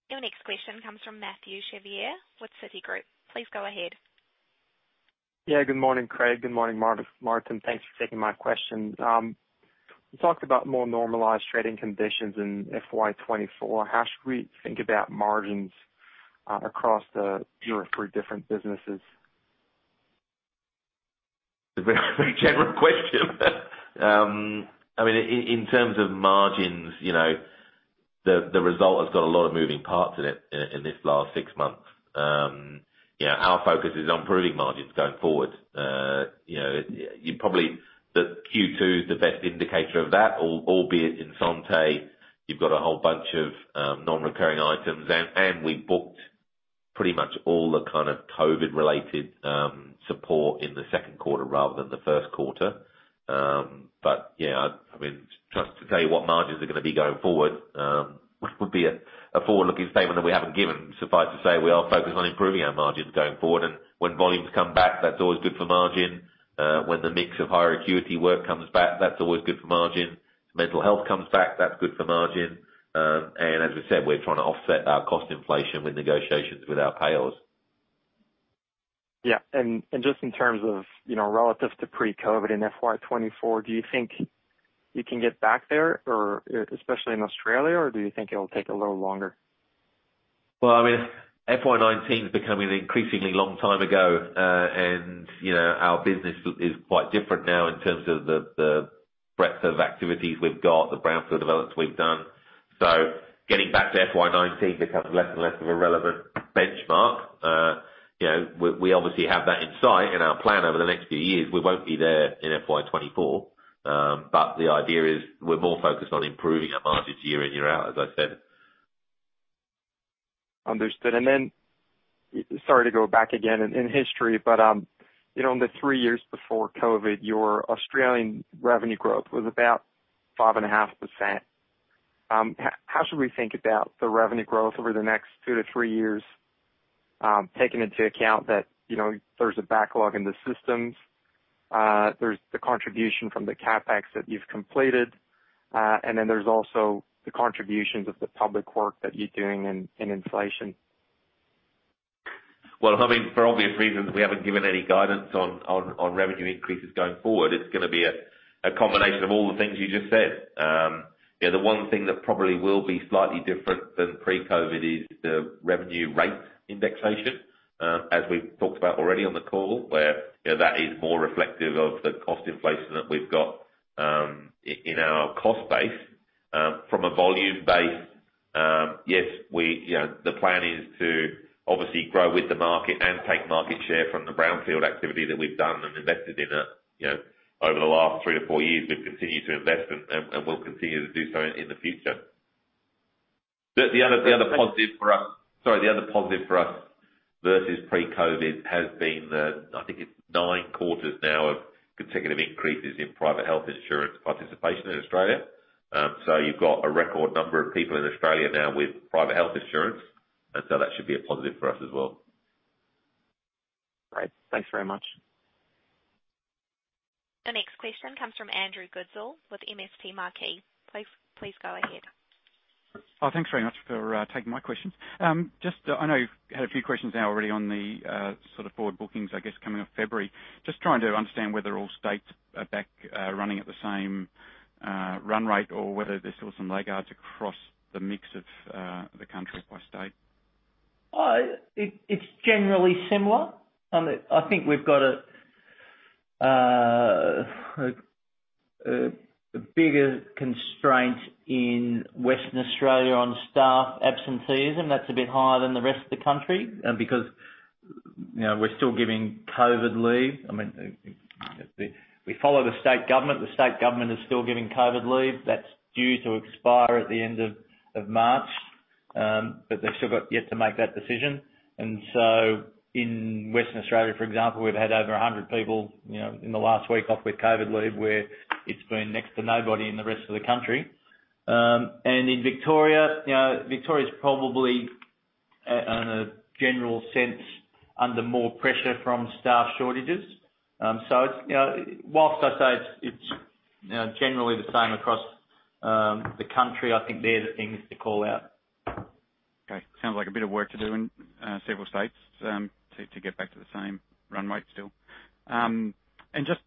Your next question comes from Mathieu Chevrier with Citigroup. Please go ahead. Yeah, good morning, Craig. Good morning, Martyn. Thanks for taking my question. You talked about more normalized trading conditions in FY 2024. How should we think about margins across the year for different businesses? It's a very general question. I mean, in terms of margins, you know, the result has got a lot of moving parts in it in this last six months. You know, our focus is on improving margins going forward. You know, you probably The Q2 is the best indicator of that, albeit in Santé, you've got a whole bunch of non-recurring items. We booked pretty much all the kind of COVID-related support in the second quarter rather than the first quarter. Yeah, I mean, just to tell you what margins are gonna be going forward, would be a forward-looking statement that we haven't given. Suffice to say, we are focused on improving our margins going forward. When volumes come back, that's always good for margin. When the mix of higher acuity work comes back, that's always good for margin. Mental health comes back, that's good for margin. As we said, we're trying to offset our cost inflation with negotiations with our payers. Yeah. Just in terms of, you know, relative to pre-COVID in FY 2024, do you think you can get back there or, especially in Australia, or do you think it'll take a little longer? Well, I mean, FY 2019 is becoming an increasingly long time ago, and, you know, our business is quite different now in terms of the breadth of activities we've got, the brownfield developments we've done. Getting back to FY 2019 becomes less and less of a relevant benchmark. You know, we obviously have that in sight in our plan over the next few years. We won't be there in FY 2024, but the idea is we're more focused on improving our margins year in, year out, as I said. Understood. Then, sorry to go back again in history, but, you know, in the three years before COVID, your Australian revenue growth was about 5.5%. How should we think about the revenue growth over the next two to three years, taking into account that, you know, there's a backlog in the systems, there's the contribution from the CapEx that you've completed, and then there's also the contributions of the public work that you're doing in inflation? Well, I mean, for obvious reasons, we haven't given any guidance on revenue increases going forward. It's gonna be a combination of all the things you just said. You know, the one thing that probably will be slightly different than pre-COVID is the revenue rate indexation, as we've talked about already on the call, where, you know, that is more reflective of the cost inflation that we've got in our cost base. From a volume base, yes, we, you know, the plan is to obviously grow with the market and take market share from the brownfield activity that we've done and invested in, you know, over the last three to four years, we've continued to invest and will continue to do so in the future. The other positive for us versus pre-COVID has been the, I think it's nine quarters now of consecutive increases in private health insurance participation in Australia. You've got a record number of people in Australia now with private health insurance, and so that should be a positive for us as well. Great. Thanks very much. The next question comes from Andrew Goodsall with MST Marquee. Please go ahead. Thanks very much for taking my questions. Just, I know you've had a few questions now already on the sort of forward bookings, I guess, coming off February. Just trying to understand whether all states are back running at the same run rate or whether there's still some laggards across the mix of the country by state? It's generally similar. I think we've got a bigger constraint in Western Australia on staff absenteeism. That's a bit higher than the rest of the country, because, you know, we're still giving COVID leave. I mean, we follow the state government. The state government is still giving COVID leave. That's due to expire at the end of March, but they've still got yet to make that decision. In Western Australia, for example, we've had over 100 people, you know, in the last week off with COVID leave, where it's been next to nobody in the rest of the country. And in Victoria, you know, Victoria's probably, on a general sense, under more pressure from staff shortages. It's, you know, whilst I say it's, you know, generally the same across the country, I think they're the things to call out. Okay. Sounds like a bit of work to do in several states, to get back to the same run rate still.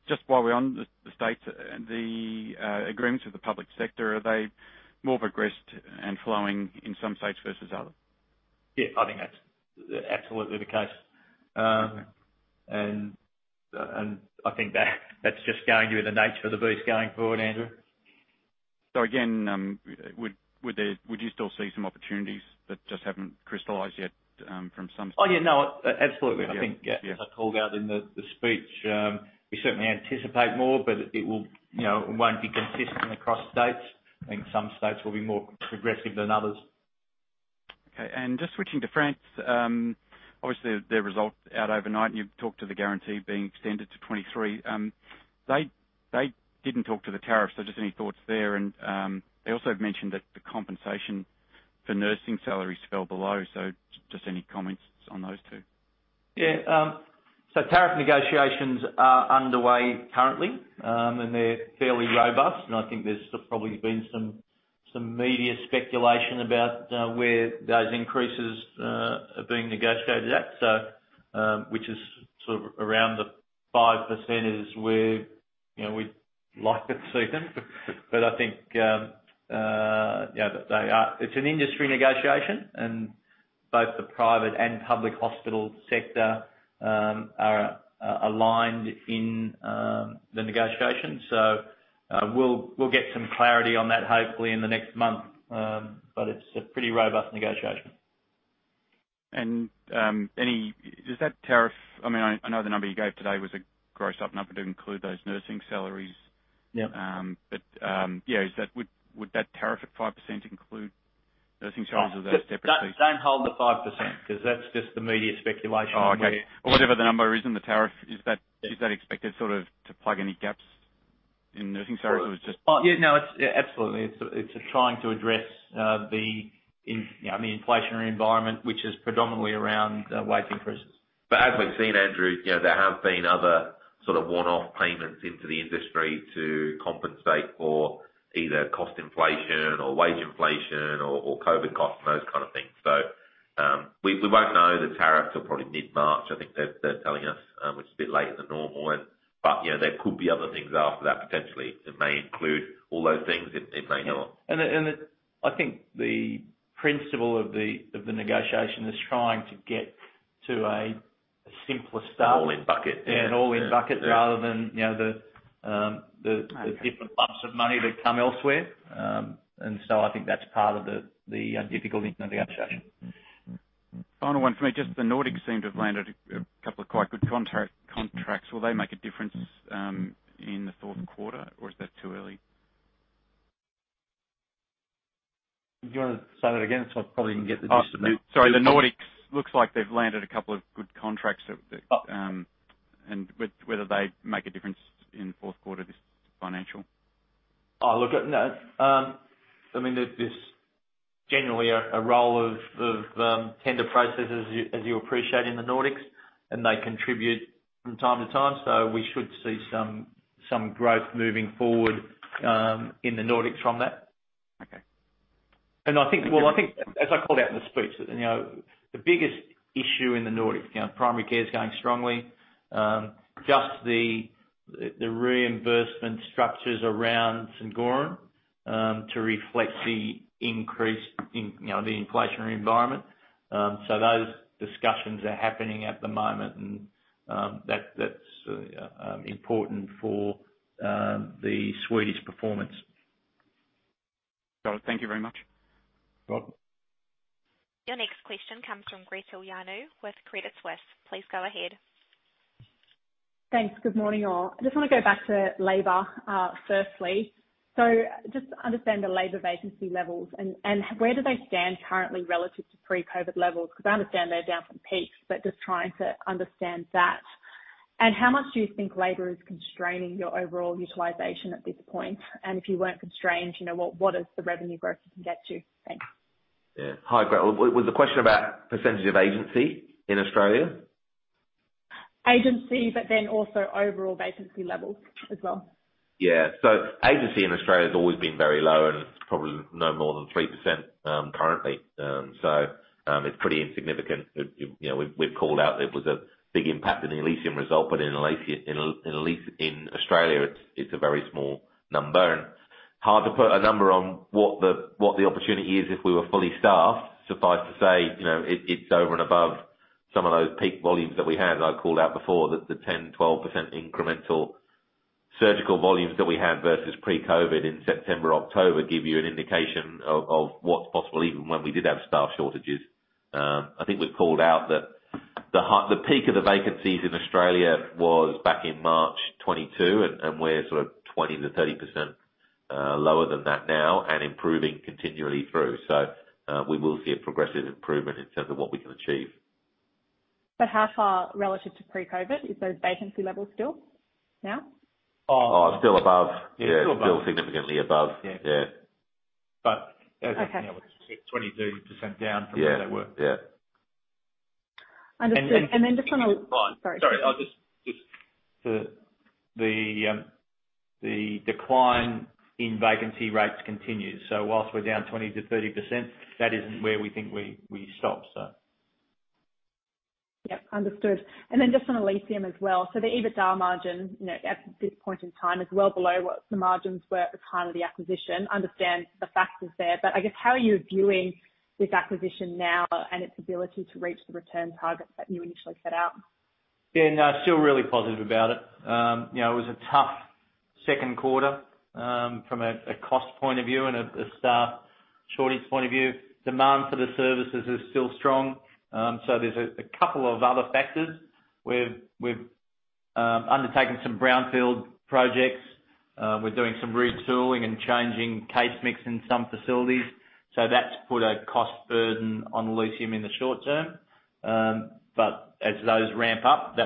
Just while we're on the states, the agreements with the public sector, are they more progressed and flowing in some states versus others? Yeah, I think that's absolutely the case. I think that that's just going to be the nature of the beast going forward, Andrew. Would there, would you still see some opportunities that just haven't crystallized yet, from some states? Oh, yeah, no, absolutely. Yeah. Yeah. I think, yeah, as I called out in the speech, we certainly anticipate more, but it will, you know, it won't be consistent across states. I think some states will be more progressive than others. Okay. Just switching to France, obviously their result out overnight, you've talked to the guarantee being extended to 2023. They didn't talk to the tariffs. Just any thoughts there. They also mentioned that the compensation for nursing salaries fell below. Just any comments on those two? Yeah. Tariff negotiations are underway currently. They're fairly robust. I think there's probably been some media speculation about where those increases are being negotiated at. Which is sort of around the 5% is where, you know, we'd like it to be. I think, yeah, they are. It's an industry negotiation, and both the private and public hospital sector are aligned in the negotiation. We'll get some clarity on that hopefully in the next month. It's a pretty robust negotiation. Is that tariff... I mean, I know the number you gave today was a grossed up number to include those nursing salaries. Yeah. Yeah, is that, would that tariff at 5% include nursing salaries, or is that separately? Don't hold the 5% 'cause that's just the media speculation. Oh, okay. Well, whatever the number is in the tariff, is that expected sort of to plug any gaps in nursing salaries or just...? Oh, yeah, no, it's absolutely. It's trying to address the, you know, the inflationary environment, which is predominantly around wage increases. As we've seen, Andrew, you know, there have been other sort of one-off payments into the industry to compensate for either cost inflation or wage inflation or COVID costs and those kind of things. we won't know the tariffs till probably mid-March, I think they're telling us, which is a bit later than normal. you know, there could be other things after that potentially. It may include all those things. It, it may not. I think the principle of the negotiation is trying to get to a simpler style. An all-in bucket. Yeah, an all-in bucket rather than, you know, the. Okay. different lumps of money that come elsewhere. I think that's part of the difficulty in the negotiation. Final one from me. Just the Nordics seem to have landed a couple of quite good contracts. Will they make a difference, in the fourth quarter, or is that too early? Do you wanna say that again, so I probably can get the gist of it? Sorry. The Nordics looks like they've landed a couple of good contracts that, whether they make a difference in fourth quarter this financial. Oh, look, no. I mean, there's generally a role of tender processes, as you appreciate in the Nordics. They contribute from time to time. We should see some growth moving forward in the Nordics from that. Okay. Well, I think as I called out in the speech, you know, the biggest issue in the Nordics, you know, primary care is going strongly. Just the reimbursement structures around St. Goran, to reflect the increase in, you know, the inflationary environment. Those discussions are happening at the moment and that's important for the Swedish performance. Got it. Thank you very much. Welcome. Your next question comes from Gretel Janu with Credit Suisse. Please go ahead. Thanks. Good morning, all. I just wanna go back to labor, firstly. Just understand the labor vacancy levels and where do they stand currently relative to pre-COVID levels? I understand they're down from peaks, just trying to understand that. How much do you think labor is constraining your overall utilization at this point? If you weren't constrained, you know, what is the revenue growth you can get to? Thanks. Yeah. Hi, Gretel. Was the question about percentage of agency in Australia? Agency, but then also overall vacancy levels as well. Agency in Australia has always been very low and probably no more than 3% currently. It's pretty insignificant. You know, we've called out it was a big impact in the Elysium result, but in Australia, it's a very small number. Hard to put a number on what the opportunity is if we were fully staffed. Suffice to say, you know, it's over and above some of those peak volumes that we had. I called out before that the 10%-12% incremental surgical volumes that we had versus pre-COVID in September, October, give you an indication of what's possible, even when we did have staff shortages. I think we've called out that the peak of the vacancies in Australia was back in March 2022, and we're sort of 20%-30% lower than that now and improving continually through. We will see a progressive improvement in terms of what we can achieve. How far relative to pre-COVID is those vacancy levels still now? Oh, still above. Yeah, still above. Still significantly above. Yeah. Yeah. as you know, Okay. 22% down from what they were. Yeah, yeah. Understood. just on. And, and- Sorry. Sorry. I'll just. The decline in vacancy rates continues. While we're down 20%-30%, that isn't where we think we stop. Yep, understood. Just on Elysium as well. The EBITDA margin, you know, at this point in time is well below what the margins were at the time of the acquisition. Understand the factors there, but I guess how are you viewing this acquisition now and its ability to reach the return targets that you initially set out? Yeah, no, still really positive about it. you know, it was a tough second quarter, from a cost point of view and a staff shortage point of view. Demand for the services is still strong. There's a couple of other factors. We've undertaken some brownfield projects. We're doing some retooling and changing case mix in some facilities. That's put a cost burden on Elysium in the short term. As those ramp up, they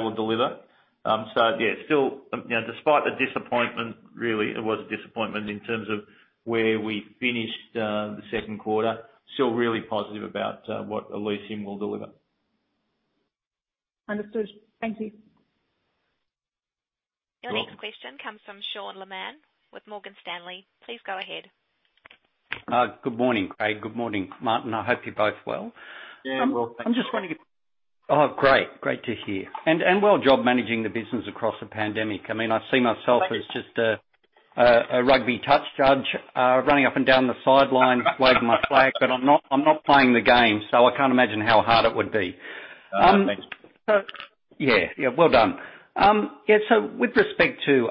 will deliver. Yeah, still, you know, despite the disappointment, really it was a disappointment in terms of where we finished the second quarter, still really positive about what Elysium will deliver. Understood. Thank you. Well- The next question comes from Sean Stewart with Morgan Stanley. Please go ahead. Good morning, Craig. Good morning, Martyn. I hope you're both well. Yeah, well, thank you. I'm just wondering if... Oh, great. Great to hear. Well done managing the business across a pandemic. I mean, I see myself- Thank you. -as just a rugby touch judge, running up and down the sideline waving my flag, but I'm not playing the game, so I can't imagine how hard it would be. Oh, thank you. Yeah. Yeah, well done. Yeah, with respect to,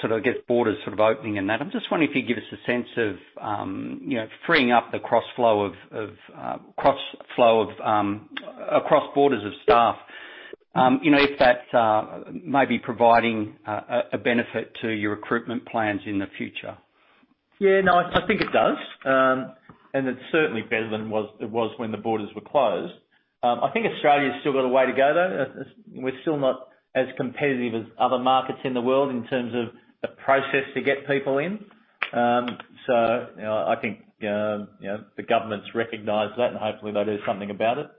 sort of, I guess, borders sort of opening and that, I'm just wondering if you could give us a sense of, you know, freeing up the cross flow of across borders of staff, you know, if that's maybe providing a benefit to your recruitment plans in the future? Yeah, no, I think it does. It's certainly better than it was when the borders were closed. I think Australia's still got a way to go, though. We're still not as competitive as other markets in the world in terms of the process to get people in. You know, I think, you know, the government's recognized that, and hopefully they'll do something about it.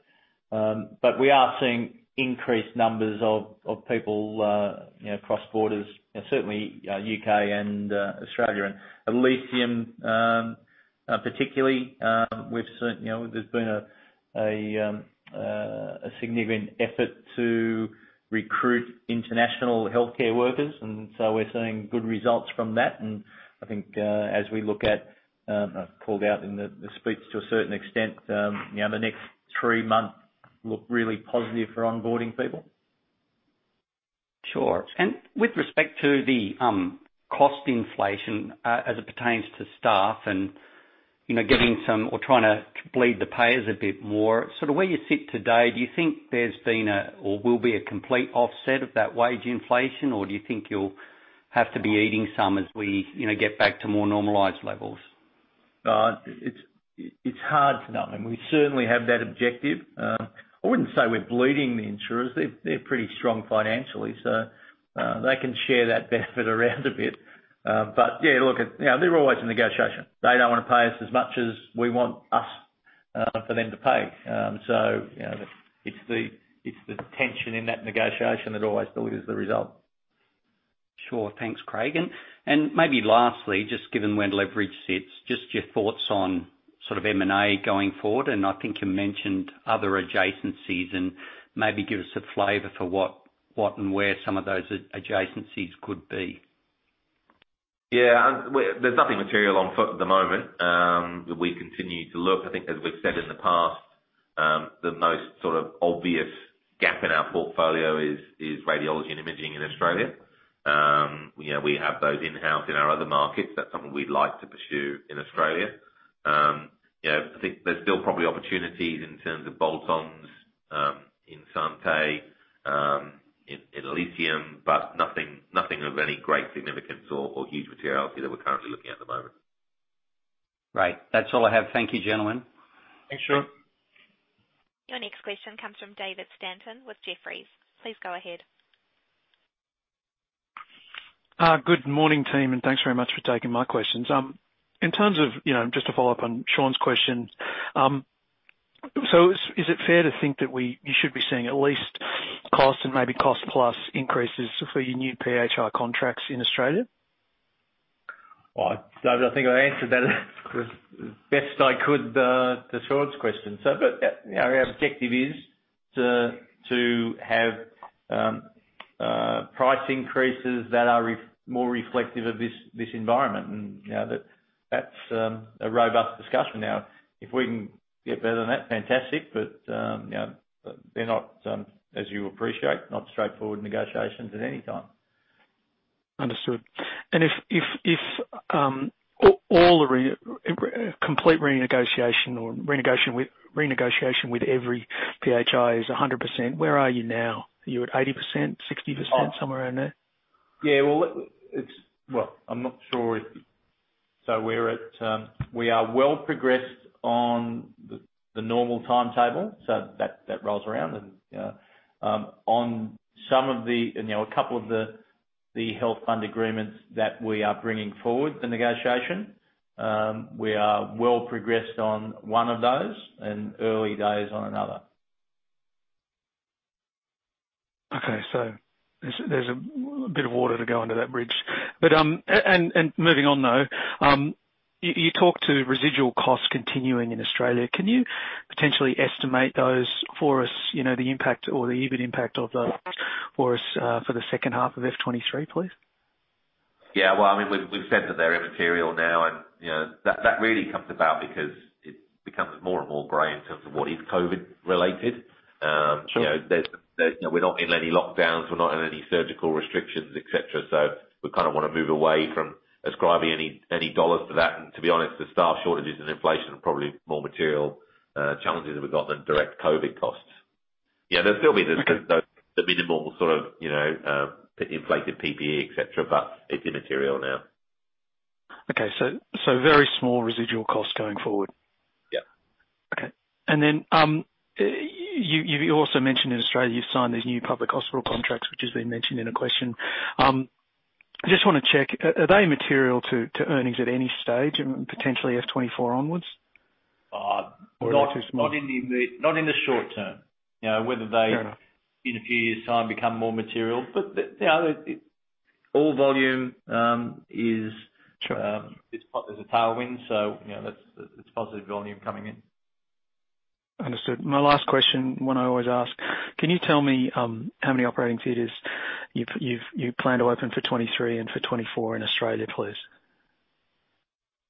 We are seeing increased numbers of people, you know, cross borders, and certainly, U.K. and Australia. And Elysium, particularly, we've seen, you know, there's been a significant effort to recruit international healthcare workers, we're seeing good results from that. I think, as we look at, I've called out in the speech to a certain extent, you know, the next three months look really positive for onboarding people. Sure. With respect to the cost inflation, as it pertains to staff and, you know, getting some or trying to bleed the payers a bit more, sort of where you sit today, do you think there's been a or will be a complete offset of that wage inflation? Do you think you'll have to be eating some as we, you know, get back to more normalized levels? It's hard to know. I mean, we certainly have that objective. I wouldn't say we're bleeding the insurers. They're pretty strong financially, so they can share that benefit around a bit. Yeah, look, you know, they're always in negotiation. They don't wanna pay us as much as we want us for them to pay. You know, it's the tension in that negotiation that always delivers the result. Sure. Thanks, Craig. Maybe lastly, just given where leverage sits, just your thoughts on sort of M&A going forward, and I think you mentioned other adjacencies and maybe give us a flavor for what and where some of those adjacencies could be. Yeah. There's nothing material on foot at the moment. We continue to look. I think as we've said in the past, the most sort of obvious gap in our portfolio is radiology and imaging in Australia. Yeah, we have those in-house in our other markets. That's something we'd like to pursue in Australia. Yeah, I think there's still probably opportunities in terms of bolt-ons, in Santé, in Elysium, but nothing of any great significance or huge materiality that we're currently looking at the moment. Right. That's all I have. Thank you, gentlemen. Thanks, Sean. Your next question comes from David Stanton with Jefferies. Please go ahead. Good morning, team, and thanks very much for taking my questions. In terms of, you know, just to follow up on Sean's question, is it fair to think that you should be seeing at least cost and maybe cost plus increases for your new PHI contracts in Australia? Well, David, I think I answered that as best I could to Sean's question. But, yeah, our objective is to have price increases that are more reflective of this environment. You know, that's a robust discussion. Now, if we can get better than that, fantastic. But, you know, they're not, as you appreciate, not straightforward negotiations at any time. Understood. If, all complete renegotiation or renegotiation with every PHI is 100%, where are you now? Are you at 80%, 60%, somewhere around there? Yeah. Well, it's. Well, I'm not sure if. We're at, we are well progressed on the normal timetable, so that rolls around. Yeah, on some of the, and, you know, a couple of the health fund agreements that we are bringing forward the negotiation, we are well progressed on one of those and early days on another. There's a bit of water to go under that bridge. Moving on though, you talked to residual costs continuing in Australia. Can you potentially estimate those for us? You know, the impact or the EBIT impact of those for us for the second half of FY 2023, please? Yeah. Well, I mean, we've said that they're immaterial now and, you know, that really comes about because it becomes more and more gray in terms of what is COVID related. You know, there's, you know, we're not in any lockdowns, we're not in any surgical restrictions, et cetera. So we kind of wanna move away from ascribing any dollars to that. To be honest, the staff shortages and inflation are probably more material challenges that we've got than direct COVID costs. Yeah, there'll still be the minimal sort of, you know, inflated PPE, et cetera, but it's immaterial now. Okay. Very small residual costs going forward. Yeah. Okay. You also mentioned in Australia you've signed these new public hospital contracts, which has been mentioned in a question. I just wanna check, are they material to earnings at any stage and potentially FY 2024 onwards? not in the. They're too small. Not in the short term. You know, whether they- Fair enough. in a few years' time become more material. You know, all volume. Sure. is, there's a tailwind, so, you know, that's, it's positive volume coming in. Understood. My last question, one I always ask, can you tell me, how many operating theaters you plan to open for 2023 and for 2024 in Australia, please?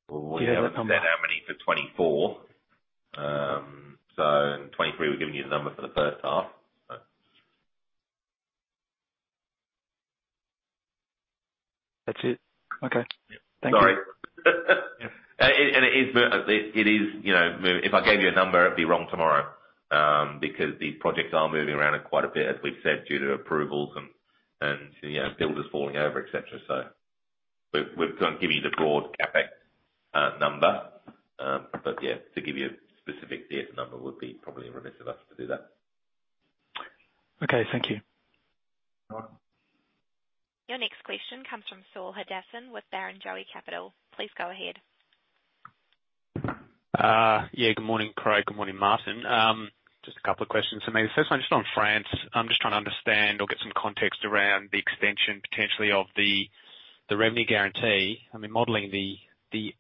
Do you have that number? We haven't said how many for 2024. 2023, we've given you the number for the first half, but. That's it. Okay. Thank you. Sorry. It is, you know, if I gave you a number, it'd be wrong tomorrow, because these projects are moving around quite a bit, as we've said, due to approvals and, you know, builders falling over, et cetera. We've gone giving you the broad CapEx number. Yeah, to give you a specific theater number would be probably remiss of us to do that. Okay, thank you. No problem. Your next question comes from Saul Hadassin with Barrenjoey Capital. Please go ahead. Good morning, Craig. Good morning, Martyn. Just a couple of questions for me. The first one just on France. I'm just trying to understand or get some context around the extension potentially of the revenue guarantee. I mean, modeling the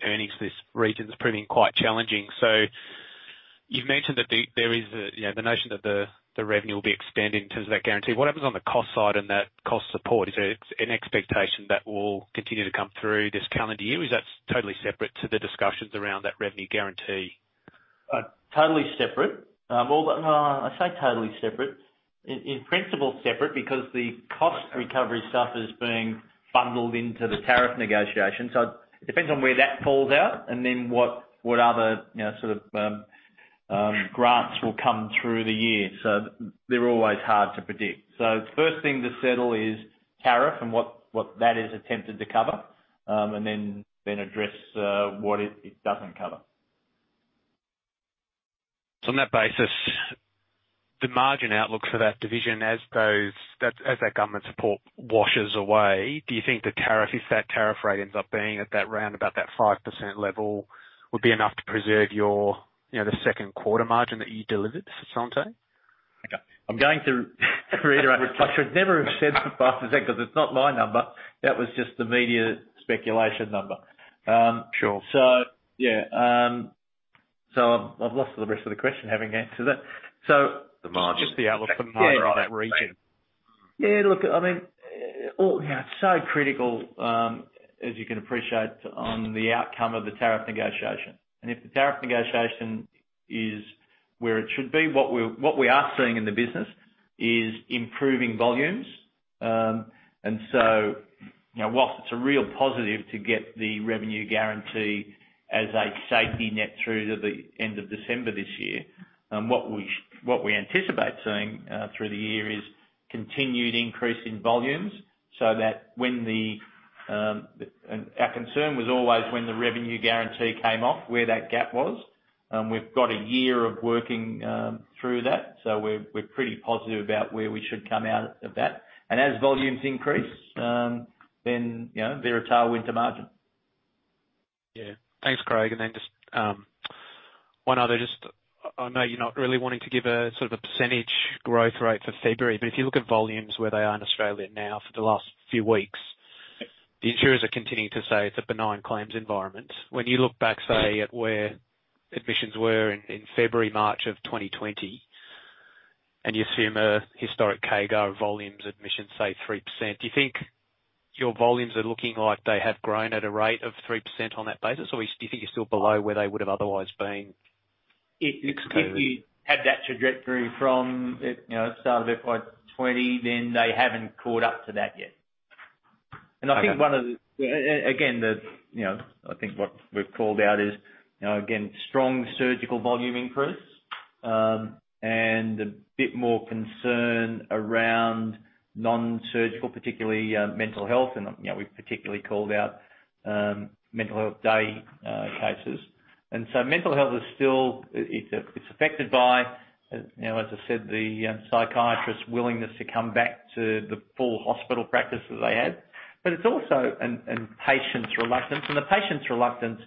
earnings for this region is proving quite challenging. You've mentioned that there is a, you know, the notion that the revenue will be extended in terms of that guarantee. What happens on the cost side and that cost support? Is there an expectation that will continue to come through this calendar year, or is that totally separate to the discussions around that revenue guarantee? Totally separate. Well, no, I say totally separate. In principle, separate because the cost recovery stuff is being bundled into the tariff negotiation. It depends on where that falls out and then what other, you know, sort of grants will come through the year. They're always hard to predict. First thing to settle is tariff and what that is attempted to cover, and then address what it doesn't cover. On that basis, the margin outlook for that division as that government support washes away, do you think the tariff, if that tariff rate ends up being at that roundabout that 5% level, would be enough to preserve your, you know, the second quarter margin that you delivered for Ramsay Santé? Okay. I'm going to reiterate, which I should never have said the first thing 'cause it's not my number. That was just the media speculation number. Sure. Yeah. I've lost the rest of the question having answered it. The margin. Just the outlook for the margin of that region. Yeah, look, I mean, all, you know, so critical, as you can appreciate on the outcome of the tariff negotiation. If the tariff negotiation is where it should be. What we are seeing in the business is improving volumes. So, you know, whilst it's a real positive to get the revenue guarantee as a safety net through to the end of December this year, what we anticipate seeing through the year is continued increase in volumes. Our concern was always when the revenue guarantee came off, where that gap was. We've got a year of working through that, so we're pretty positive about where we should come out of that. As volumes increase, then, you know, they retail into margin. Yeah. Thanks, Craig. Then just, one other just, I know you're not really wanting to give a, sort of a percentage growth rate for February, but if you look at volumes where they are in Australia now for the last few weeks, the insurers are continuing to say it's a benign claims environment. When you look back, say, at where admissions were in February, March of 2020, and you assume a historic CAGR volumes admission, say, 3%, do you think your volumes are looking like they have grown at a rate of 3% on that basis? Or do you think you're still below where they would've otherwise been? If you had that trajectory from it, you know, start of FY 2020, then they haven't caught up to that yet. Okay. I think one of the again, you know, I think what we've called out is, you know, again, strong surgical volume increase, and a bit more concern around non-surgical, particularly mental health and, you know, we've particularly called out mental health day cases. Mental health is still, it's affected by, you know, as I said, the psychiatrists' willingness to come back to the full hospital practice that they had. It's also an patient's reluctance, and the patient's reluctance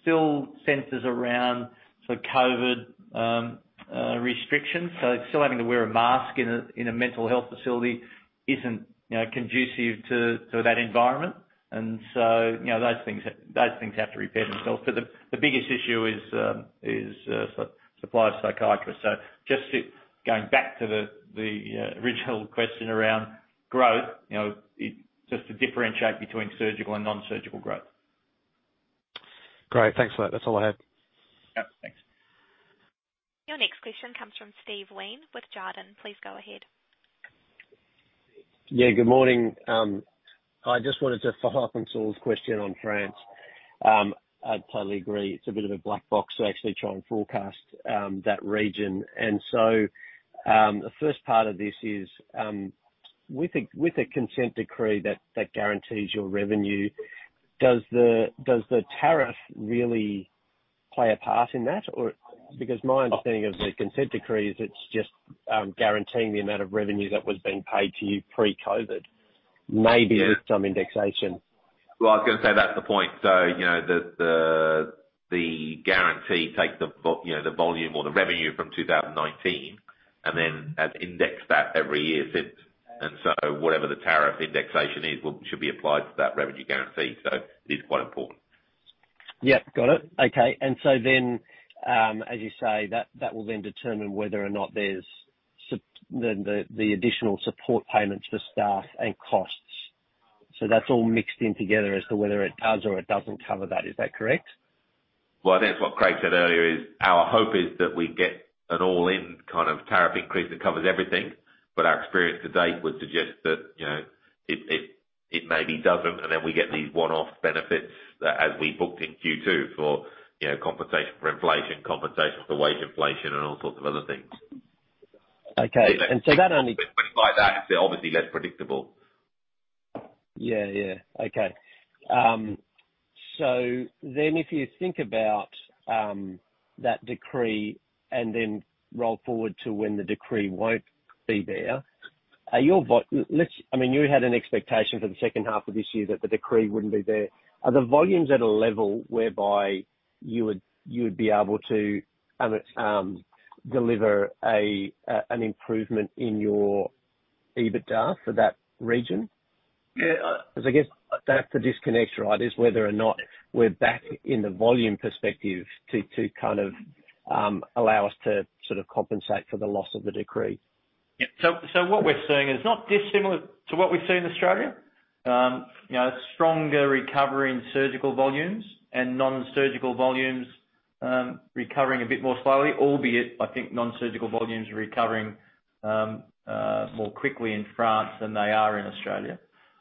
still centers around the COVID restrictions. Still having to wear a mask in a mental health facility isn't, you know, conducive to that environment. You know, those things have to repair themselves. The biggest issue is supply of psychiatrists. Going back to the original question around growth, you know, it's just to differentiate between surgical and non-surgical growth. Great. Thanks for that. That's all I have. Yeah. Thanks. Your next question comes from Steven Wheen with Jarden. Please go ahead. Good morning. I just wanted to follow up on Saul's question on France. I'd totally agree. It's a bit of a black box to actually try and forecast that region. The first part of this is with the consent decree that guarantees your revenue, does the tariff really play a part in that? Because my understanding of the consent decree is it's just guaranteeing the amount of revenue that was being paid to you pre-COVID. Yeah. Maybe with some indexation. Well, I was gonna say that's the point, though. You know, the guarantee takes the volume or the revenue from 2019, and then has indexed that every year since. Whatever the tariff indexation is, well, it should be applied to that revenue guarantee, it is quite important. Yeah. Got it. Okay. As you say, that will then determine whether or not there's the additional support payments for staff and costs. That's all mixed in together as to whether it does or it doesn't cover that. Is that correct? Well, I think it's what Craig said earlier, is our hope is that we get an all-in kind of tariff increase that covers everything. Our experience to date would suggest that, you know, it maybe doesn't, and then we get these one-off benefits that as we booked in Q2 for, you know, compensation for inflation, compensation for wage inflation, and all sorts of other things. Okay. By that, it's obviously less predictable. Yeah, yeah. Okay. If you think about that decree and then roll forward to when the decree won't be there, I mean, you had an expectation for the second half of this year that the decree wouldn't be there. Are the volumes at a level whereby you would be able to deliver an improvement in your EBITDA for that region? Yeah. I guess that's the disconnect, right? Is whether or not we're back in the volume perspective to kind of allow us to sort of compensate for the loss of the decree. Yeah. What we're seeing is not dissimilar to what we see in Australia. You know, stronger recovery in surgical volumes and non-surgical volumes, recovering a bit more slowly, albeit I think non-surgical volumes are recovering more quickly in France than they are in Australia.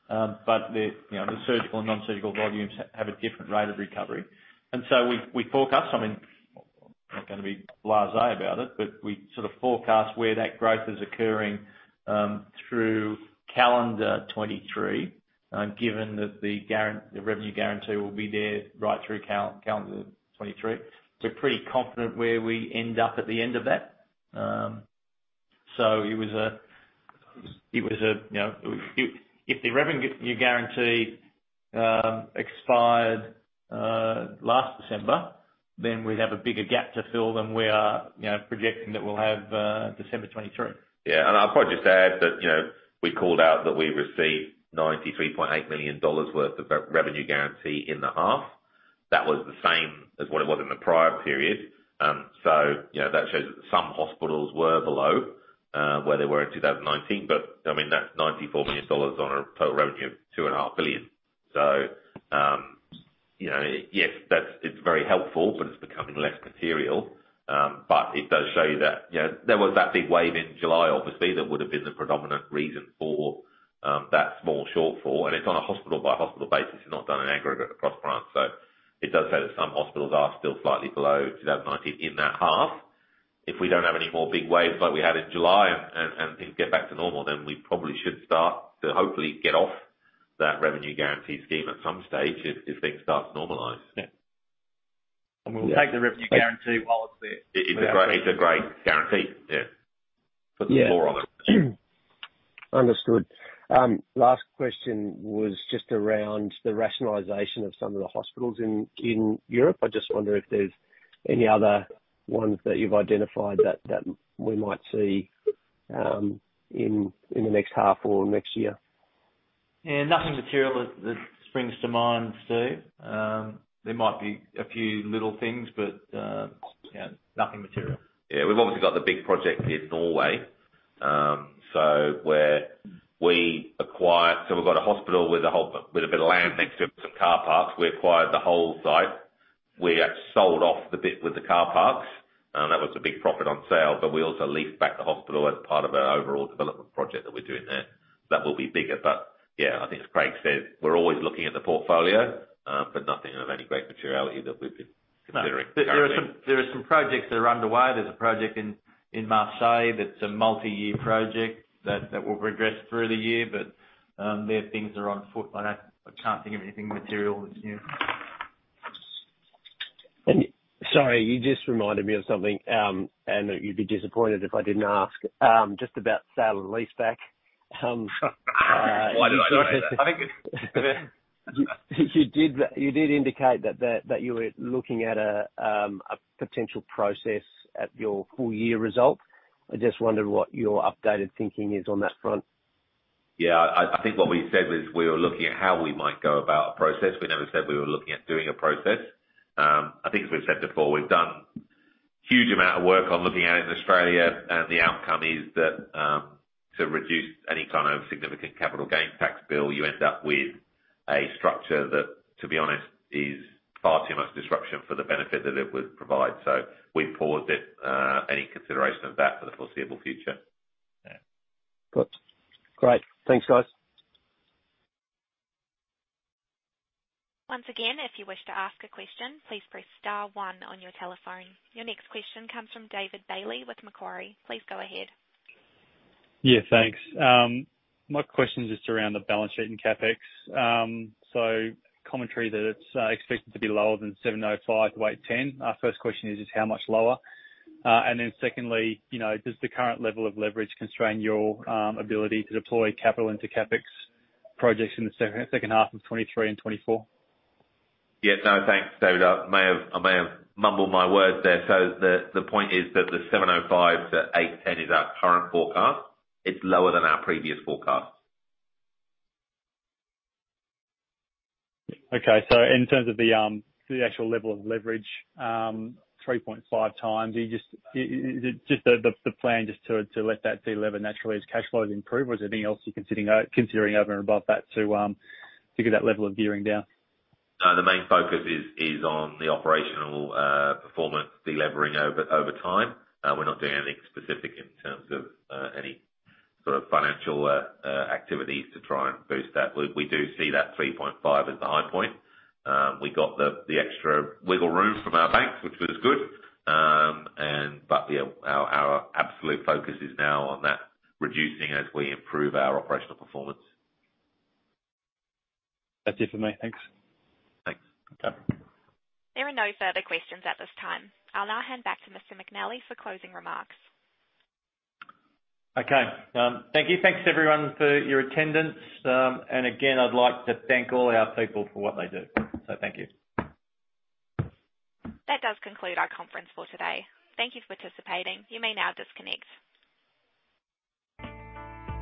The, you know, the surgical and non-surgical volumes have a different rate of recovery. We, we forecast, I mean, I'm not gonna be blasé about it, but we sort of forecast where that growth is occurring through calendar 2023. Given that the revenue guarantee will be there right through calendar 2023. We're pretty confident where we end up at the end of that. It was a, it was a, you know, if the revenue guarantee expired last December, then we'd have a bigger gap to fill than we are, you know, projecting that we'll have December 2023. Yeah. I'll probably just add that, you know, we called out that we received 93.8 million dollars worth of revenue guarantee in the half. That was the same as what it was in the prior period. You know, that shows some hospitals were below where they were in 2019. I mean, that's 94 million dollars on a total revenue of 2.5 billion. You know, yes, that's, it's very helpful, but it's becoming less material. It does show you that, you know, there was that big wave in July, obviously, that would've been the predominant reason for that small shortfall. It's on a hospital by hospital basis, not done in aggregate across France. It does show that some hospitals are still slightly below 2019 in that half. If we don't have any more big waves like we had in July and things get back to normal, we probably should start to hopefully get off that revenue guarantee scheme at some stage if things start to normalize. We'll take the revenue guarantee while it's there. It's a great guarantee. Yeah. Put some more on it. Understood. last question was just around the rationalization of some of the hospitals in Europe. I just wonder if there's any other ones that you've identified that we might see in the next half or next year? Yeah, nothing material that springs to mind, Stu. There might be a few little things but, yeah, nothing material. We've obviously got the big project in Norway. We've got a hospital with a whole with a bit of land next to it with some car parks. We acquired the whole site. We sold off the bit with the car parks, and that was a big profit on sale. We also leased back the hospital as part of our overall development project that we're doing there. That will be bigger but, yeah, I think as Craig said, we're always looking at the portfolio, but nothing of any great materiality that we've been considering currently. There are some projects that are underway. There's a project in Marseille that's a multi-year project that we'll progress through the year but, yeah, things are on foot. I can't think of anything material that's new. Sorry, you just reminded me of something, and you'd be disappointed if I didn't ask. just about sale and leaseback. Why did you say that? You did indicate that you were looking at a potential process at your full year result. I just wondered what your updated thinking is on that front. I think what we said was we were looking at how we might go about a process. We never said we were looking at doing a process. I think as we've said before, we've done huge amount of work on looking at it in Australia, and the outcome is that to reduce any kind of significant capital gains tax bill, you end up with a structure that, to be honest, is far too much disruption for the benefit that it would provide. We paused it any consideration of that for the foreseeable future. Yeah. Good. Great. Thanks, guys. Once again, if you wish to ask a question, please press star one on your telephone. Your next question comes from David Bailey with Macquarie. Please go ahead. Yeah, thanks. My question is just around the balance sheet and CapEx. Commentary that it's expected to be lower than 705-810. Our first question is how much lower? Secondly, you know, does the current level of leverage constrain your ability to deploy capital into CapEx projects in the second half of 2023 and 2024? Yeah. No, thanks, David. I may have mumbled my words there. The point is that the 705-810 is our current forecast. It's lower than our previous forecast. Okay. In terms of the actual level of leverage, 3.5x, is it just the plan to let that delever naturally as cash flows improve or is there anything else you're considering over and above that to get that level of gearing down? No, the main focus is on the operational performance delevering over time. We're not doing anything specific in terms of any sort of financial activities to try and boost that. We do see that 3.5x as the high point. We got the extra wiggle room from our banks, which was good. Yeah, our absolute focus is now on that reducing as we improve our operational performance. That's it for me. Thanks. Thanks. Okay. There are no further questions at this time. I'll now hand back to Mr. McNally for closing remarks. Okay. Thank you. Thanks everyone for your attendance. Again, I'd like to thank all our people for what they do. Thank you. That does conclude our conference for today. Thank you for participating. You may now disconnect.